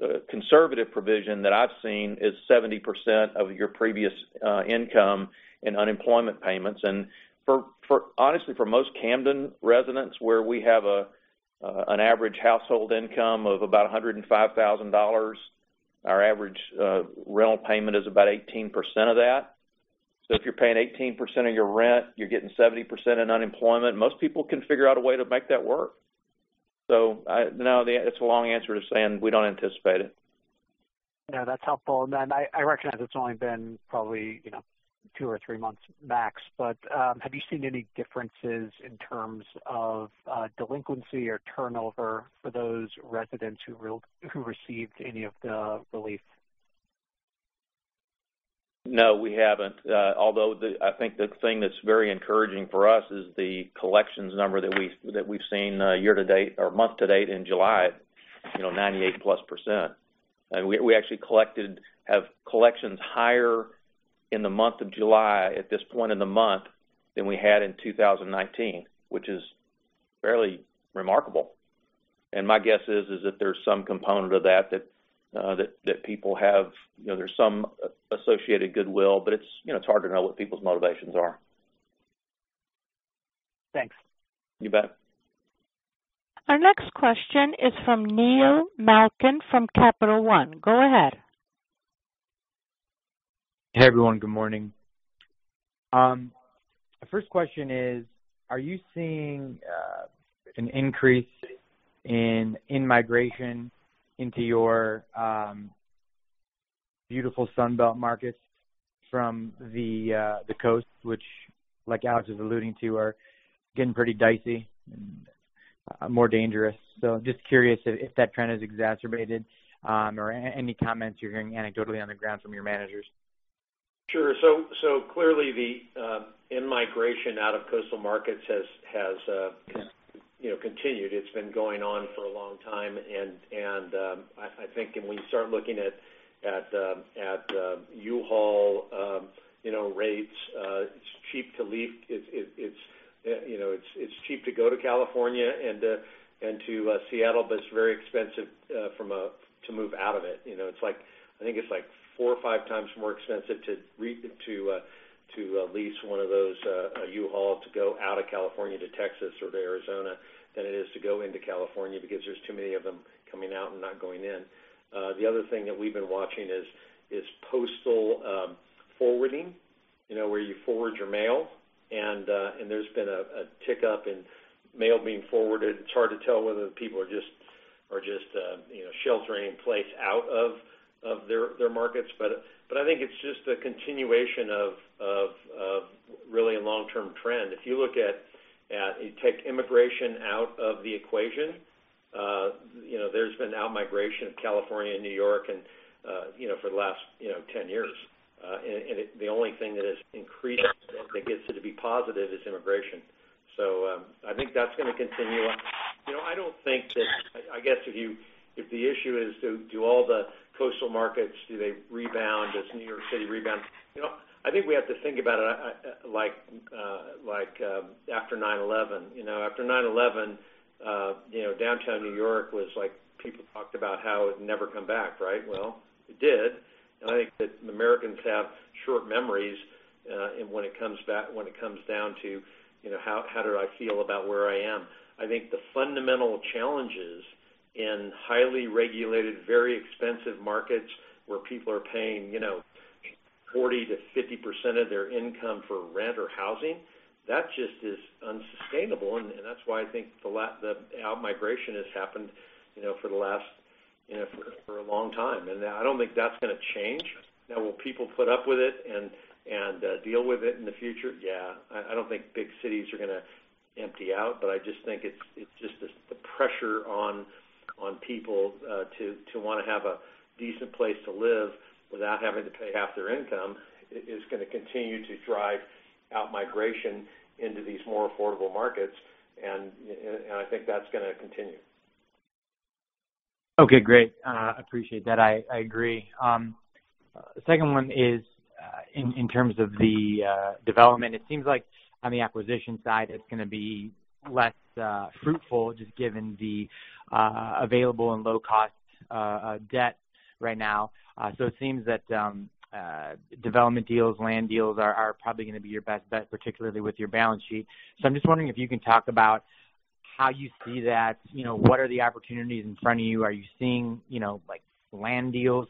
most conservative provision that I've seen is 70% of your previous income in unemployment payments. Honestly, for most Camden residents, where we have an average household income of about $105,000, our average rental payment is about 18% of that. If you're paying 18% of your rent, you're getting 70% in unemployment, most people can figure out a way to make that work. No, it's a long answer to saying we don't anticipate it. No, that's helpful. I recognize it's only been probably two or three months max, but have you seen any differences in terms of delinquency or turnover for those residents who received any of the relief? No, we haven't. I think the thing that's very encouraging for us is the collections number that we've seen year-to-date or month-to-date in July, 98%+. We actually have collections higher in the month of July at this point in the month than we had in 2019, which is fairly remarkable. My guess is that there's some component of that people have some associated goodwill, it's hard to know what people's motivations are. Thanks. You bet. Our next question is from Neil Malkin from Capital One. Go ahead. Hey, everyone. Good morning. The first question is, are you seeing an increase in migration into your beautiful Sun Belt markets from the coasts, which, like Alex was alluding to, are getting pretty dicey and more dangerous? Just curious if that trend has exacerbated, or any comments you're hearing anecdotally on the ground from your managers. Sure. Clearly, the in-migration out of coastal markets has continued. It's been going on for a long time, and I think when you start looking at U-Haul rates, it's cheap to go to California and to Seattle, but it's very expensive to move out of it. I think it's four or five times more expensive to lease one of those U-Haul to go out of California to Texas or to Arizona than it is to go into California because there's too many of them coming out and not going in. The other thing that we've been watching is postal forwarding, where you forward your mail, and there's been a tick-up in mail being forwarded. It's hard to tell whether people are just sheltering in place out of their markets. I think it's just a continuation of really a long-term trend. If you take immigration out of the equation, there's been out-migration of California and New York for the last 10 years. The only thing that has increased that gets to be positive is immigration. I think that's going to continue. I guess if the issue is do all the coastal markets, do they rebound as New York City rebounds? I think we have to think about it like after 9/11. After 9/11, Downtown New York, people talked about how it would never come back, right? Well, it did. I think that Americans have short memories when it comes down to how do I feel about where I am. I think the fundamental challenges in highly regulated, very expensive markets where people are paying 40%-50% of their income for rent or housing, that just is unsustainable, and that's why I think the out-migration has happened for a long time. I don't think that's going to change. Now, will people put up with it and deal with it in the future? Yeah. I don't think big cities are going to empty out, but I just think it's just the pressure on people to want to have a decent place to live without having to pay half their income is going to continue to drive out-migration into these more affordable markets, and I think that's going to continue. Okay, great. Appreciate that. I agree. Second one is in terms of the development. It seems like on the acquisition side, it's going to be less fruitful just given the available and low-cost debt right now. It seems that development deals, land deals are probably going to be your best bet, particularly with your balance sheet. I'm just wondering if you can talk about how you see that, what are the opportunities in front of you? Are you seeing land deals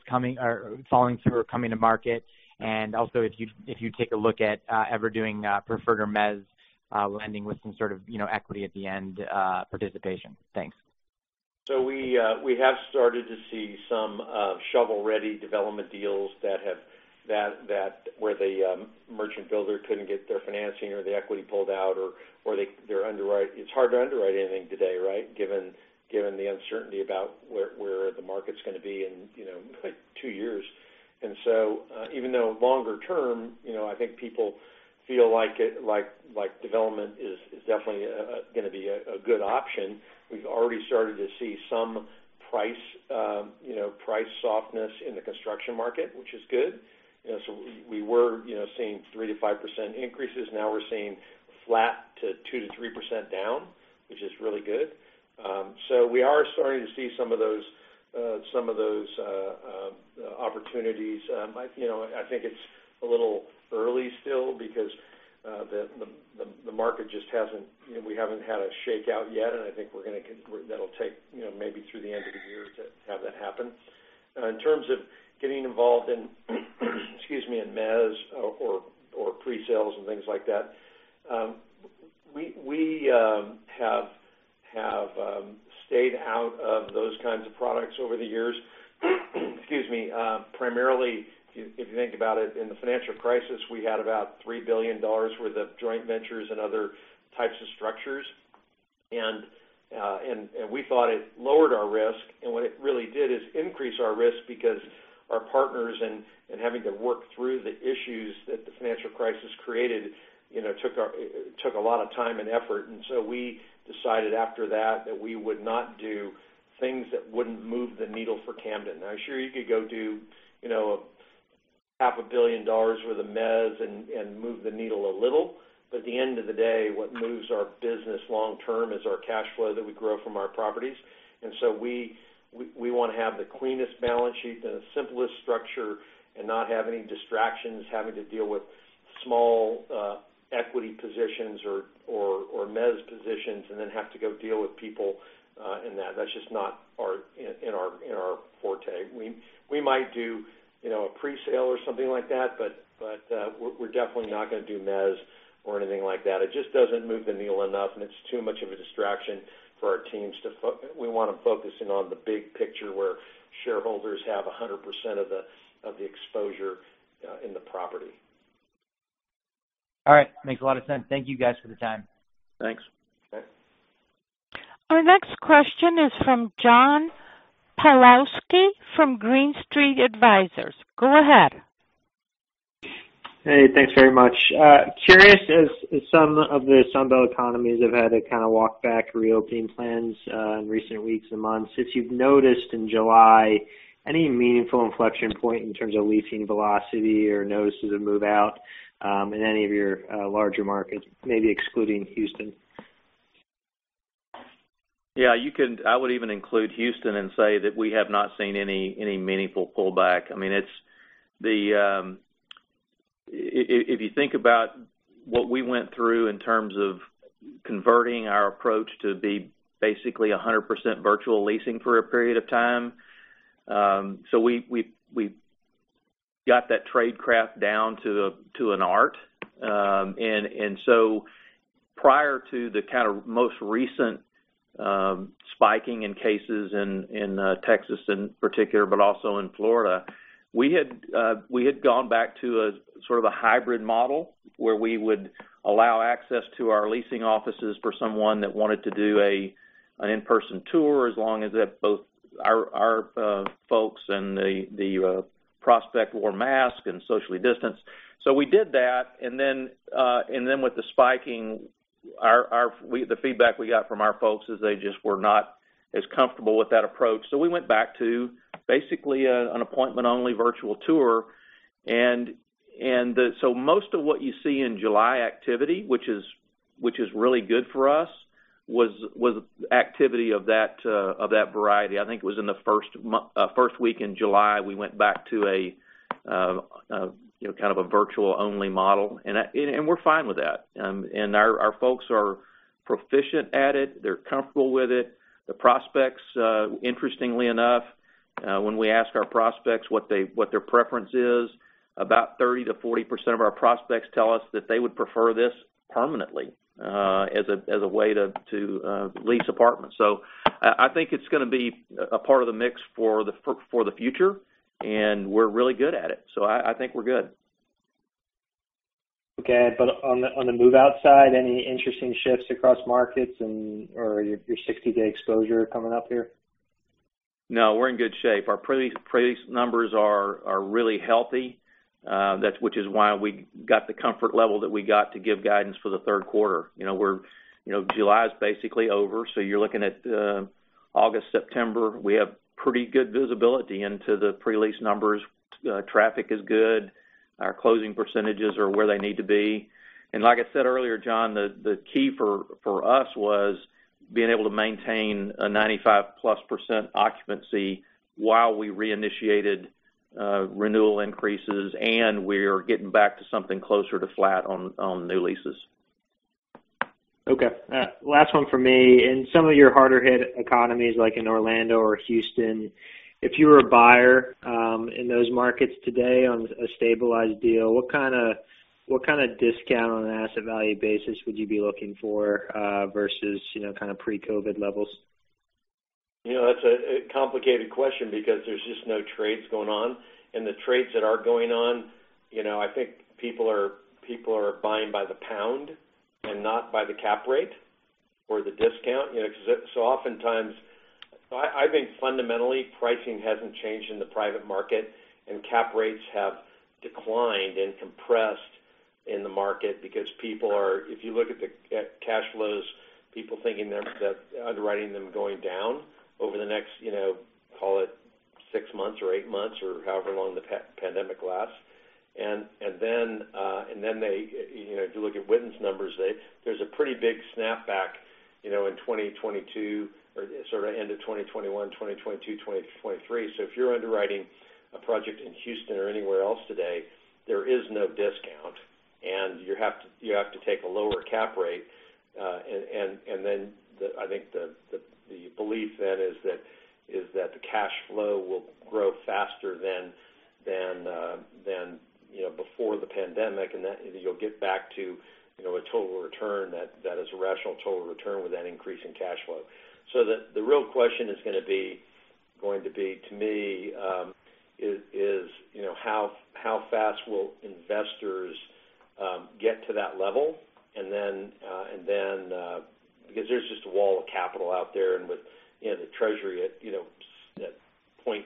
falling through or coming to market? Also if you take a look at ever doing preferred or mezz lending with some sort of equity at the end participation. Thanks. We have started to see some shovel-ready development deals where the merchant builder couldn't get their financing or the equity pulled out, or it's hard to underwrite anything today, right? Given the uncertainty about where the market's going to be in two years. Even though longer term, I think people feel like development is definitely going to be a good option. We've already started to see some price softness in the construction market, which is good. We were seeing 3%-5% increases. Now we're seeing flat to 2%-3% down, which is really good. We are starting to see some of those opportunities. I think it's a little early still because the market just we haven't had a shakeout yet, and I think that'll take maybe through the end of the year to have that happen. In terms of getting involved in, excuse me, in mezz or pre-sales and things like that, we have stayed out of those kinds of products over the years. Excuse me. Primarily, if you think about it, in the financial crisis, we had about $3 billion worth of joint ventures and other types of structures. We thought it lowered our risk. What it really did is increase our risk because our partners and having to work through the issues that the financial crisis created, it took a lot of time and effort. We decided after that we would not do things that wouldn't move the needle for Camden. Now, sure, you could go do, you know, $500 million worth of mezz and move the needle a little. At the end of the day, what moves our business long term is our cash flow that we grow from our properties. We want to have the cleanest balance sheet and the simplest structure, and not have any distractions, having to deal with small equity positions or mezz positions, and then have to go deal with people in that. That's just not in our forte. We might do a pre-sale or something like that, but we're definitely not going to do mezz or anything like that. It just doesn't move the needle enough, and it's too much of a distraction for our teams. We want to focus in on the big picture where shareholders have 100% of the exposure in the property. All right. Makes a lot of sense. Thank you guys for the time. Thanks. Bye. Our next question is from John Pawlowski from Green Street Advisors. Go ahead. Hey, thanks very much. Curious, as some of the Sun Belt economies have had to kind of walk back reopening plans in recent weeks and months, if you've noticed in July any meaningful inflection point in terms of leasing velocity or notices of move-out in any of your larger markets, maybe excluding Houston? I would even include Houston and say that we have not seen any meaningful pullback. If you think about what we went through in terms of converting our approach to be basically 100% virtual leasing for a period of time. We got that tradecraft down to an art. Prior to the kind of most recent spiking in cases in Texas in particular, but also in Florida, we had gone back to a sort of a hybrid model where we would allow access to our leasing offices for someone that wanted to do an in-person tour as long as both our folks and the prospect wore masks and socially distanced. We did that, and then with the spiking, the feedback we got from our folks is they just were not as comfortable with that approach. We went back to basically an appointment-only virtual tour. Most of what you see in July activity, which is really good for us, was activity of that variety. I think it was in the first week in July, we went back to a kind of a virtual-only model, and we're fine with that. Our folks are proficient at it. They're comfortable with it. The prospects, interestingly enough, when we ask our prospects what their preference is, about 30%-40% of our prospects tell us that they would prefer this permanently as a way to lease apartments. I think it's going to be a part of the mix for the future, and we're really good at it. I think we're good. Okay. On the move outside, any interesting shifts across markets or your 60-day exposure coming up here? No, we're in good shape. Our pre-lease numbers are really healthy, which is why we got the comfort level that we got to give guidance for the third quarter. July is basically over, so you're looking at August, September. We have pretty good visibility into the pre-lease numbers. Traffic is good. Our closing percentages are where they need to be. Like I said earlier, John, the key for us was being able to maintain a 95%+ occupancy while we reinitiated Renewal increases, and we're getting back to something closer to flat on new leases. Okay. Last one from me. In some of your harder hit economies, like in Orlando or Houston, if you were a buyer in those markets today on a stabilized deal, what kind of discount on an asset value basis would you be looking for, versus pre-COVID levels? That's a complicated question because there's just no trades going on, and the trades that are going on, I think people are buying by the pound and not by the cap rate or the discount. Oftentimes, I think fundamentally, pricing hasn't changed in the private market, and cap rates have declined and compressed in the market because If you look at cash flows, people thinking that underwriting them going down over the next, call it six months or eight months or however long the pandemic lasts. If you look at Witten's numbers, there's a pretty big snapback in 2022 or sort of end of 2021, 2022, 2023. If you're underwriting a project in Houston or anywhere else today, there is no discount, and you have to take a lower cap rate. I think the belief then is that the cash flow will grow faster than before the pandemic, and that you'll get back to a total return that is a rational total return with that increase in cash flow. The real question is going to be, to me, is how fast will investors get to that level? Because there's just a wall of capital out there, and with the treasury at 0.5%,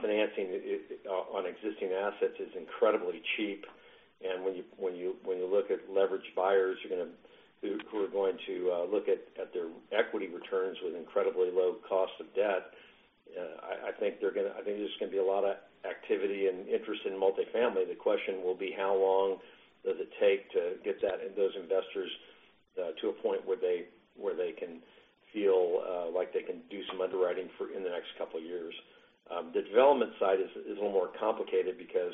financing on existing assets is incredibly cheap. When you look at leverage buyers who are going to look at their equity returns with incredibly low cost of debt, I think there's going to be a lot of activity and interest in multifamily. The question will be: how long does it take to get those investors to a point where they can feel like they can do some underwriting in the next couple of years? The development side is a little more complicated because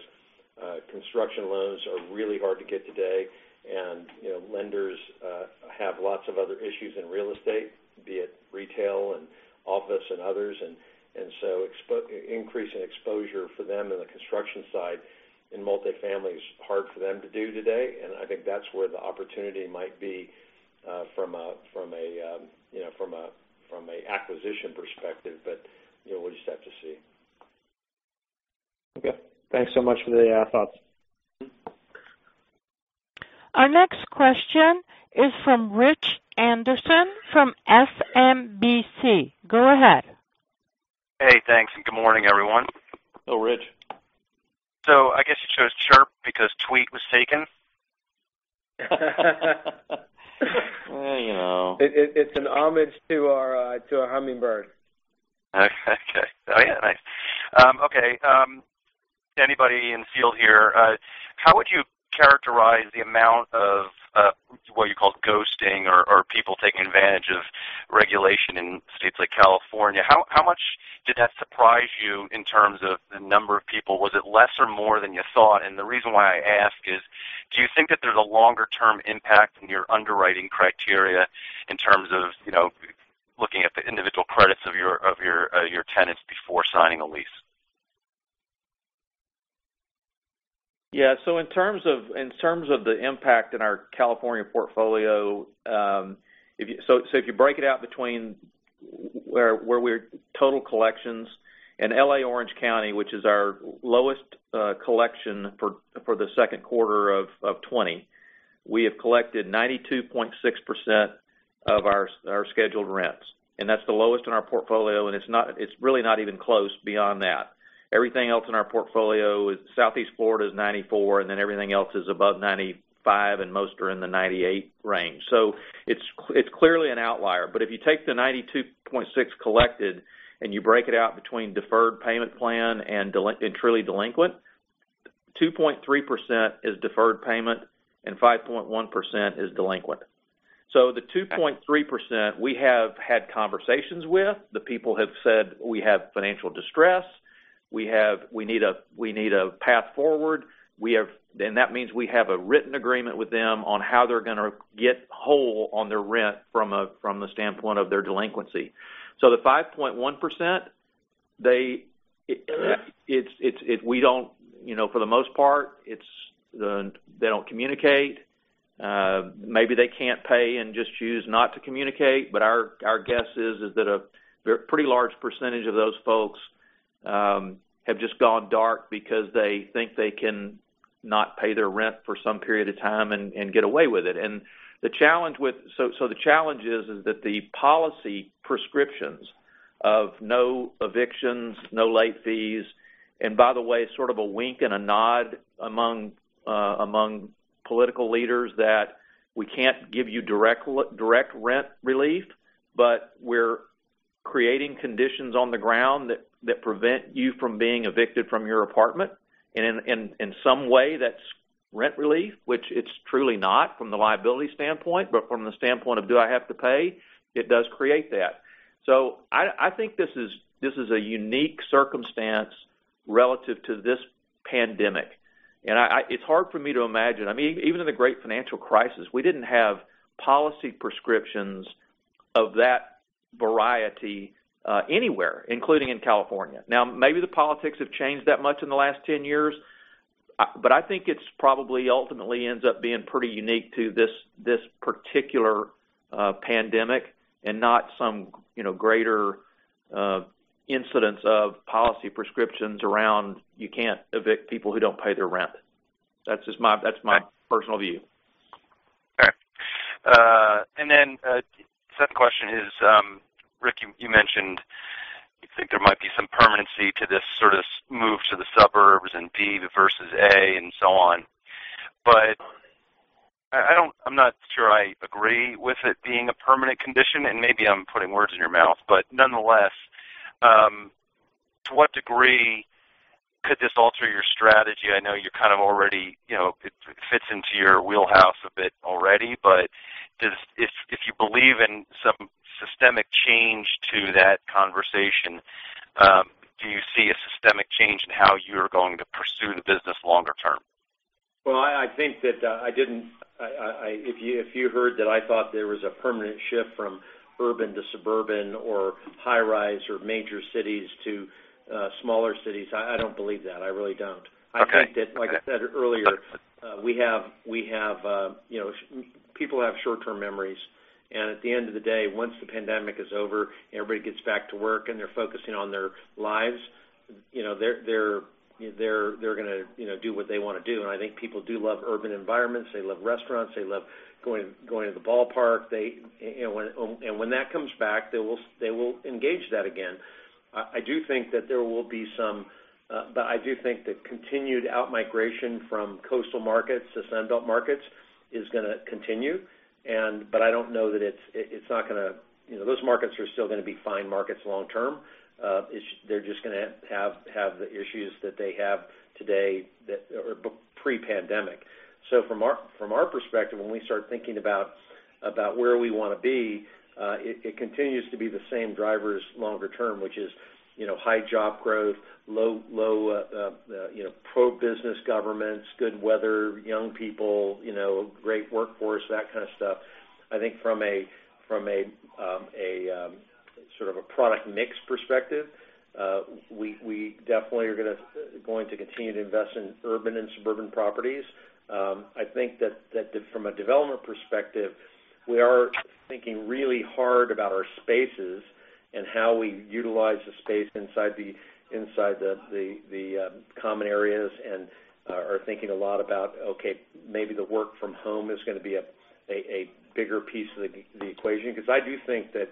construction loans are really hard to get today, and lenders have lots of other issues in real estate, be it retail and office and others. Increasing exposure for them in the construction side in multifamily is hard for them to do today, and I think that's where the opportunity might be from an acquisition perspective. We'll just have to see. Okay. Thanks so much for the thoughts. Our next question is from Rich Anderson from SMBC. Go ahead. Hey, thanks, and good morning, everyone. Hello, Rich. I guess you chose Chirp because Tweet was taken. Well, you know. It's an homage to a hummingbird. Okay. Oh, yeah. Nice. Okay, to anybody in field here, how would you characterize the amount of what you call ghosting or people taking advantage of regulation in states like California? How much did that surprise you in terms of the number of people? Was it less or more than you thought? The reason why I ask is, do you think that there's a longer-term impact in your underwriting criteria in terms of looking at the individual credits of your tenants before signing a lease? In terms of the impact in our California portfolio, if you break it out between where we're total collections in L.A. Orange County, which is our lowest collection for the second quarter of 2020. We have collected 92.6% of our scheduled rents, that's the lowest in our portfolio, it's really not even close beyond that. Everything else in our portfolio Southeast Florida is 94%, everything else is above 95%, most are in the 98% range. It's clearly an outlier. If you take the 92.6% collected and you break it out between deferred payment plan and truly delinquent, 2.3% is deferred payment and 5.1% is delinquent. The 2.3%, we have had conversations with. The people have said, "We have financial distress. We need a path forward." That means we have a written agreement with them on how they're going to get whole on their rent from the standpoint of their delinquency. The 5.1%, for the most part, they don't communicate. Maybe they can't pay and just choose not to communicate, but our guess is that a pretty large percentage of those folks have just gone dark because they think they can not pay their rent for some period of time and get away with it. The challenge is that the policy prescriptions of no evictions, no late fees, and by the way, sort of a wink and a nod among political leaders that we can't give you direct rent relief, but we're creating conditions on the ground that prevent you from being evicted from your apartment. In some way, that's rent relief. Which it's truly not from the liability standpoint, but from the standpoint of do I have to pay, it does create that. I think this is a unique circumstance relative to this pandemic. It's hard for me to imagine, even in the great financial crisis, we didn't have policy prescriptions of that variety anywhere, including in California. Maybe the politics have changed that much in the last 10 years, but I think it's probably ultimately ends up being pretty unique to this particular pandemic and not some greater incidence of policy prescriptions around you can't evict people who don't pay their rent. That's my personal view. All right. Second question is, Ric, you mentioned you think there might be some permanency to this sort of move to the suburbs and B versus A and so on. I'm not sure I agree with it being a permanent condition, and maybe I'm putting words in your mouth, but nonetheless, to what degree could this alter your strategy? I know it fits into your wheelhouse a bit already, but if you believe in some systemic change to that conversation, do you see a systemic change in how you're going to pursue the business longer term? Well, if you heard that I thought there was a permanent shift from urban to suburban or high-rise or major cities to smaller cities, I don't believe that. I really don't. Okay. I think that, like I said earlier, people have short-term memories. At the end of the day, once the pandemic is over and everybody gets back to work and they're focusing on their lives, they're going to do what they want to do. I think people do love urban environments. They love restaurants. They love going to the ballpark. When that comes back, they will engage that again. I do think the continued out-migration from coastal markets to Sunbelt markets is going to continue, but those markets are still going to be fine markets long term. They're just going to have the issues that they have today that are pre-pandemic. From our perspective, when we start thinking about where we want to be, it continues to be the same drivers longer term, which is high job growth, low pro-business governments, good weather, young people, great workforce, that kind of stuff. I think from a sort of a product mix perspective, we definitely are going to continue to invest in urban and suburban properties. I think that from a development perspective, we are thinking really hard about our spaces and how we utilize the space inside the common areas and are thinking a lot about, okay, maybe the work from home is going to be a bigger piece of the equation, because I do think that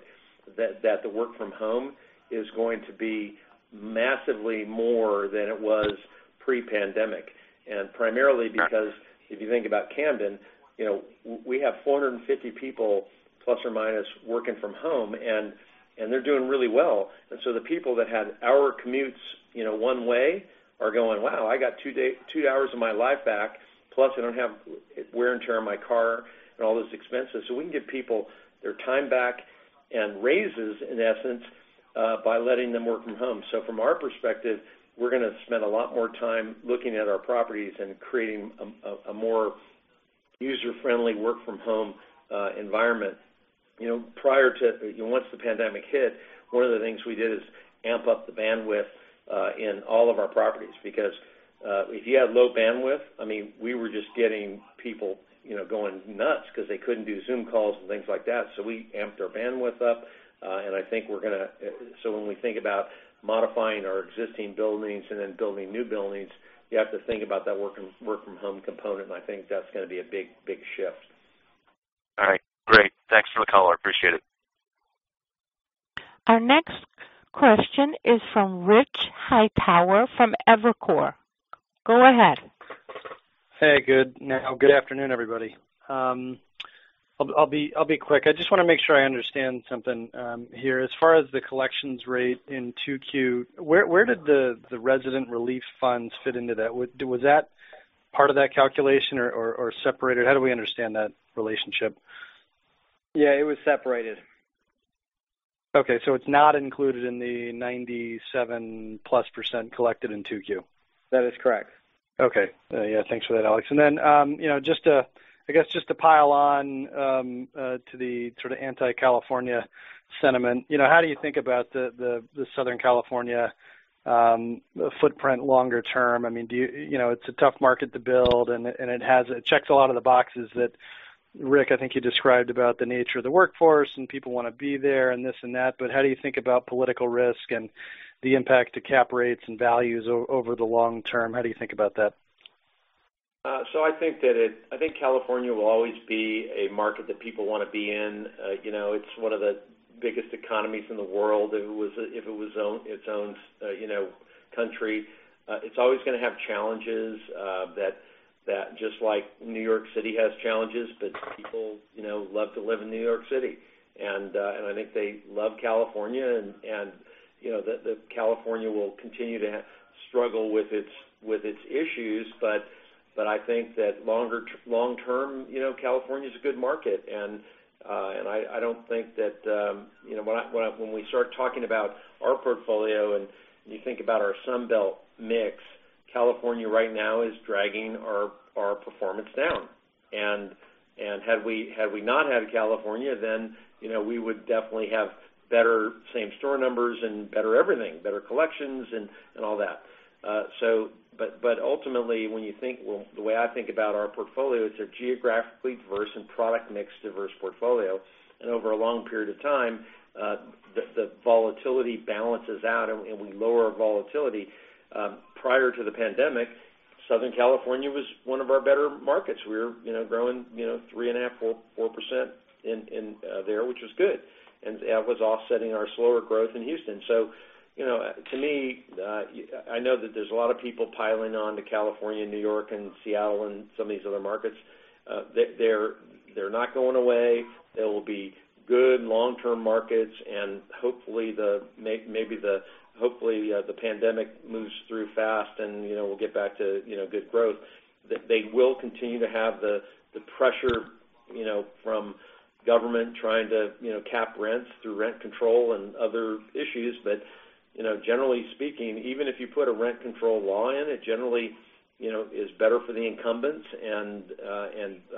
the work from home is going to be massively more than it was pre-pandemic, and primarily because if you think about Camden, we have 450 people, plus or minus, working from home, and they're doing really well. The people that had hour commutes one way are going, "Wow, I got two hours of my life back, plus I don't have wear and tear on my car and all those expenses." We can give people their time back and raises, in essence, by letting them work from home. From our perspective, we're going to spend a lot more time looking at our properties and creating a more user-friendly work from home environment. Once the pandemic hit, one of the things we did is amp up the bandwidth in all of our properties because if you have low bandwidth, we were just getting people going nuts because they couldn't do Zoom calls and things like that. We amped our bandwidth up. When we think about modifying our existing buildings and then building new buildings, you have to think about that work from home component, and I think that's going to be a big shift. All right. Great. Thanks for the color. I appreciate it. Our next question is from Rich Hightower from Evercore. Go ahead. Hey, good afternoon, everybody. I'll be quick. I just want to make sure I understand something here. As far as the collections rate in 2Q, where did the resident relief funds fit into that? Was that part of that calculation or separated? How do we understand that relationship? Yeah, it was separated. Okay, so it's not included in the 97%+ collected in 2Q? That is correct. Okay. Yeah, thanks for that, Alex. I guess just to pile on to the sort of anti-California sentiment, how do you think about the Southern California footprint longer term? It's a tough market to build, and it checks a lot of the boxes that, Ric, I think you described about the nature of the workforce and people want to be there and this and that, but how do you think about political risk and the impact to cap rates and values over the long term? How do you think about that? I think California will always be a market that people want to be in. It's one of the biggest economies in the world if it was its own country. It's always going to have challenges that just like New York City has challenges, but people love to live in New York City. I think they love California, and California will continue to struggle with its issues. I think that long-term, California's a good market, and I don't think that When we start talking about our portfolio and you think about our Sun Belt mix, California right now is dragging our performance down. Had we not had California, then we would definitely have better same-store numbers and better everything, better collections and all that. Ultimately, the way I think about our portfolio, it's a geographically diverse and product mix diverse portfolio, and over a long period of time, the volatility balances out and we lower our volatility. Prior to the pandemic, Southern California was one of our better markets. We were growing 3.5%, 4% there, which was good, and that was offsetting our slower growth in Houston. To me, I know that there's a lot of people piling on to California, New York, and Seattle and some of these other markets. They're not going away. They will be good long-term markets and hopefully the pandemic moves through fast and we'll get back to good growth. They will continue to have the pressure from government trying to cap rents through rent control and other issues. Generally speaking, even if you put a rent control law in, it generally is better for the incumbents and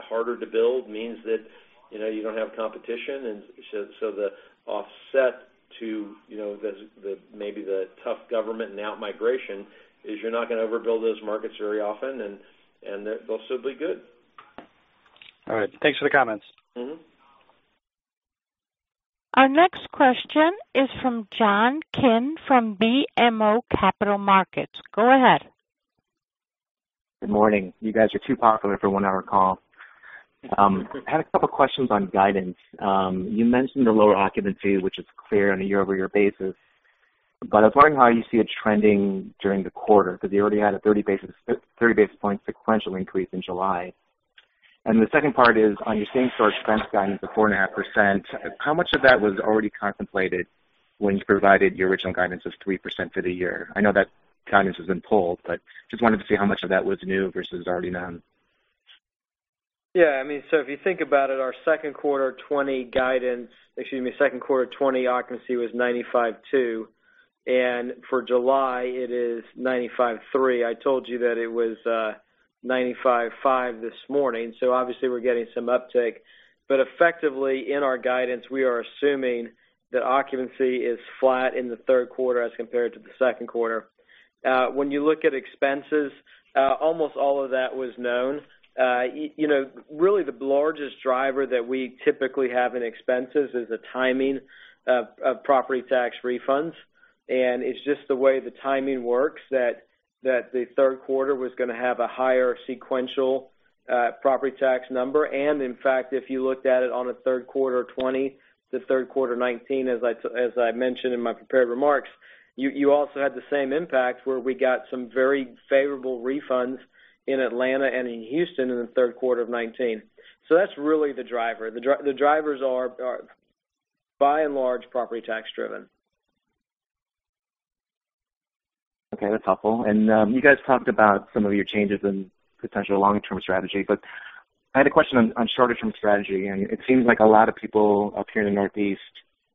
harder to build means that you don't have competition. The offset to maybe the tough government and out-migration is you're not going to overbuild those markets very often, and they'll still be good. All right. Thanks for the comments. Our next question is from John Kim from BMO Capital Markets. Go ahead. Good morning. You guys are too popular for a one-hour call. I had a couple questions on guidance. You mentioned the lower occupancy, which is clear on a year-over-year basis, I was wondering how you see it trending during the quarter, because you already had a 30 basis points sequential increase in July. The second part is on your same store expense guidance of 4.5%, how much of that was already contemplated when you provided your original guidance of 3% for the year? I know that guidance has been pulled, just wanted to see how much of that was new versus already known. Yeah. If you think about it, our second quarter 2020 occupancy was 95.2%, and for July, it is 95.3%. I told you that it was 95.5% this morning, so obviously we're getting some uptick. Effectively, in our guidance, we are assuming that occupancy is flat in the third quarter as compared to the second quarter. When you look at expenses, almost all of that was known. Really the largest driver that we typically have in expenses is the timing of property tax refunds, and it's just the way the timing works that the third quarter was going to have a higher sequential property tax number. In fact, if you looked at it on a third quarter of 2020 to third quarter 2019, as I mentioned in my prepared remarks, you also had the same impact where we got some very favorable refunds in Atlanta and in Houston in the third quarter of 2019. That's really the driver. The drivers are by and large property tax driven. Okay. That's helpful. You guys talked about some of your changes in potential long-term strategy, but I had a question on shorter-term strategy, and it seems like a lot of people up here in the Northeast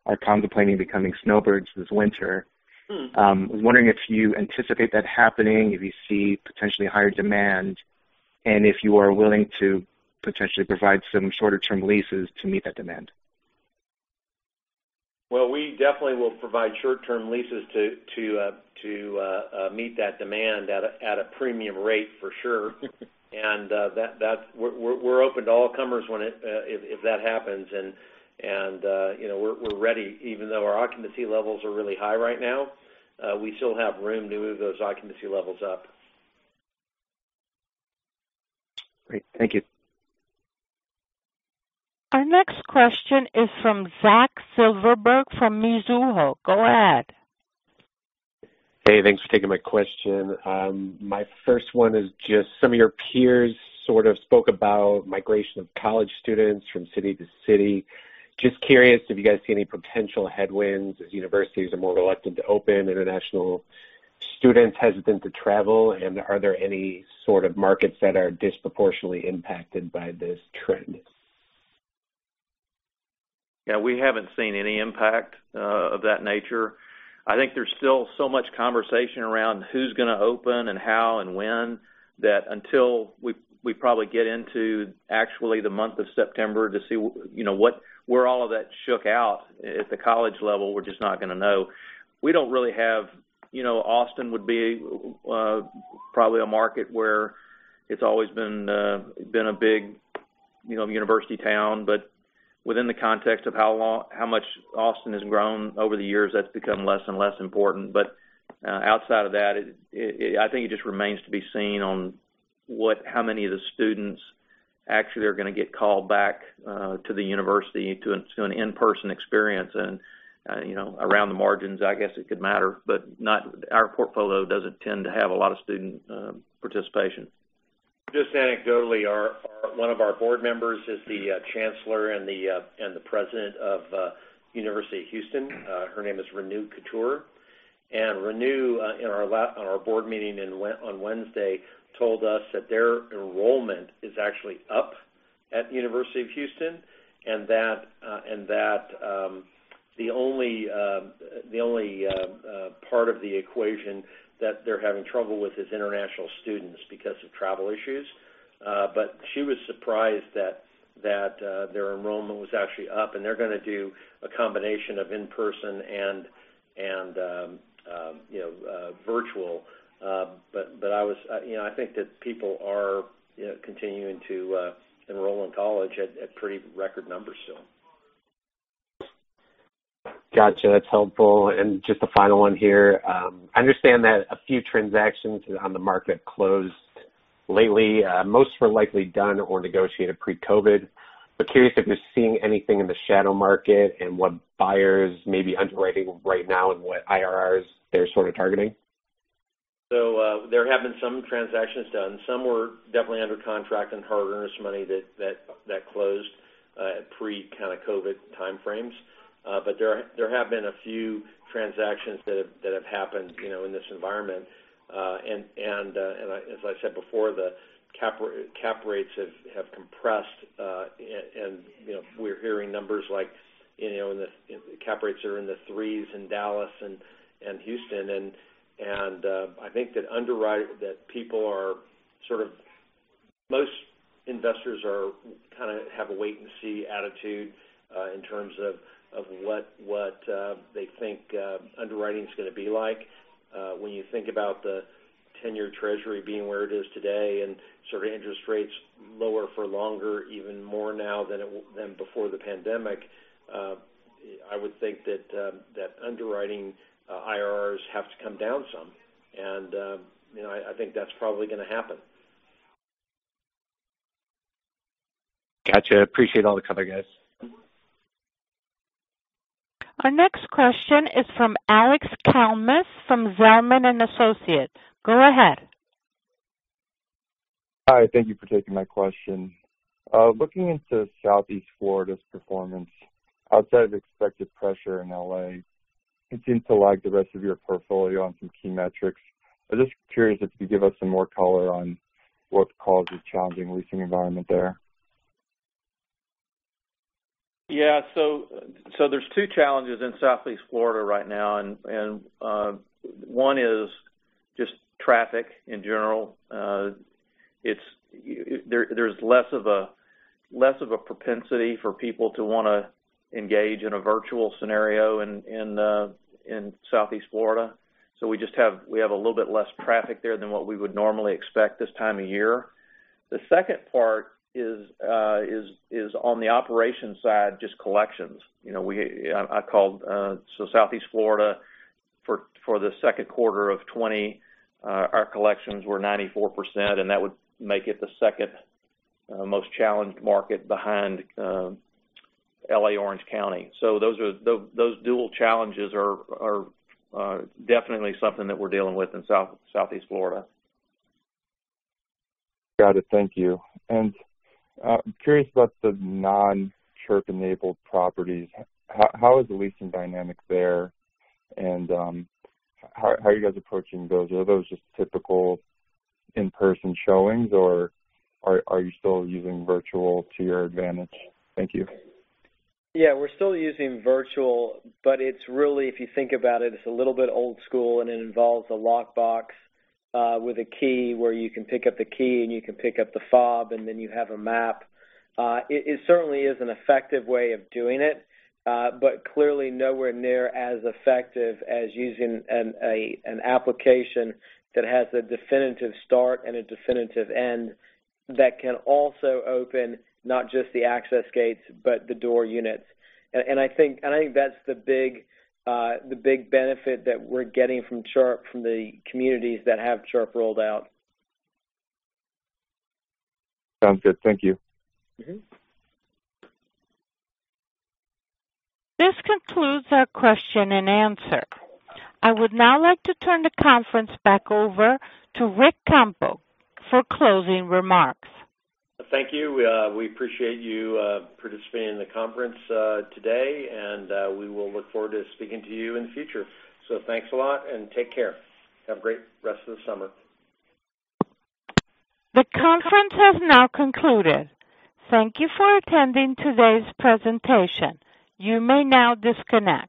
are contemplating becoming snowbirds this winter. I was wondering if you anticipate that happening, if you see potentially higher demand, and if you are willing to potentially provide some shorter-term leases to meet that demand? Well, we definitely will provide short-term leases to meet that demand at a premium rate, for sure. We're open to all comers if that happens, and we're ready. Even though our occupancy levels are really high right now, we still have room to move those occupancy levels up. Great. Thank you. Our next question is from Zach Silverberg from Mizuho. Go ahead. Hey, thanks for taking my question. My first one is just some of your peers sort of spoke about migration of college students from city to city. Just curious if you guys see any potential headwinds as universities are more reluctant to open, international students hesitant to travel, and are there any sort of markets that are disproportionately impacted by this trend? Yeah. We haven't seen any impact of that nature. I think there's still so much conversation around who's going to open and how and when, that until we probably get into actually the month of September to see where all of that shook out at the college level, we're just not going to know. Austin would be probably a market where it's always been a big university town, but within the context of how much Austin has grown over the years, that's become less and less important. Outside of that, I think it just remains to be seen on how many of the students actually are going to get called back to the university to an in-person experience, and around the margins, I guess it could matter. Our portfolio doesn't tend to have a lot of student participation. Just anecdotally, one of our Board Members is the Chancellor and the President of University of Houston. Her name is Renu Khator. Renu, in our board meeting on Wednesday, told us that their enrollment is actually up at the University of Houston, and that the only part of the equation that they're having trouble with is international students because of travel issues. She was surprised that their enrollment was actually up, and they're going to do a combination of in-person and virtual. I think that people are continuing to enroll in college at pretty record numbers still. Got you. That's helpful. Just the final one here. I understand that a few transactions on the market closed lately. Most were likely done or negotiated pre-COVID. Curious if you're seeing anything in the shadow market and what buyers may be underwriting right now and what IRRs they're sort of targeting. There have been some transactions done. Some were definitely under contract and hard earnest money that closed at pre-COVID timeframes. There have been a few transactions that have happened in this environment. As I said before, the cap rates have compressed, and we're hearing numbers like cap rates are in the threes in Dallas and Houston. I think that people are sort of Most investors kind of have a wait and see attitude, in terms of what they think underwriting's going to be like. When you think about the 10-year Treasury being where it is today and interest rates lower for longer, even more now than before the pandemic, I would think that underwriting IRRs have to come down some. I think that's probably going to happen. Got you. Appreciate all the color, guys. Our next question is from Alex Kalmus from Zelman & Associates. Go ahead. Hi, thank you for taking my question. Looking into Southeast Florida's performance, outside of the expected pressure in L.A., it seems to lag the rest of your portfolio on some key metrics. I'm just curious if you could give us some more color on what's caused this challenging leasing environment there. Yeah. There's two challenges in Southeast Florida right now, and one is just traffic in general. There's less of a propensity for people to want to engage in a virtual scenario in Southeast Florida. We have a little bit less traffic there than what we would normally expect this time of year. The second part is on the operations side, just collections. Southeast Florida, for the second quarter of 2020, our collections were 94%, and that would make it the second most challenged market behind L.A., Orange County. Those dual challenges are definitely something that we're dealing with in Southeast Florida. Got it. Thank you. I'm curious about the non-Chirp-enabled properties. How is the leasing dynamic there, and how are you guys approaching those? Are those just typical in-person showings, or are you still using virtual to your advantage? Thank you. Yeah, we're still using virtual, but it's really, if you think about it's a little bit old school, and it involves a lockbox with a key where you can pick up the key and you can pick up the fob, and then you have a map. It certainly is an effective way of doing it. Clearly nowhere near as effective as using an application that has a definitive start and a definitive end that can also open not just the access gates, but the door units. I think that's the big benefit that we're getting from Chirp from the communities that have Chirp rolled out. Sounds good. Thank you. This concludes our question and answer. I would now like to turn the conference back over to Ric Campo for closing remarks. Thank you. We appreciate you participating in the conference today, and we will look forward to speaking to you in the future. Thanks a lot and take care. Have a great rest of the summer. The conference has now concluded. Thank you for attending today's presentation. You may now disconnect.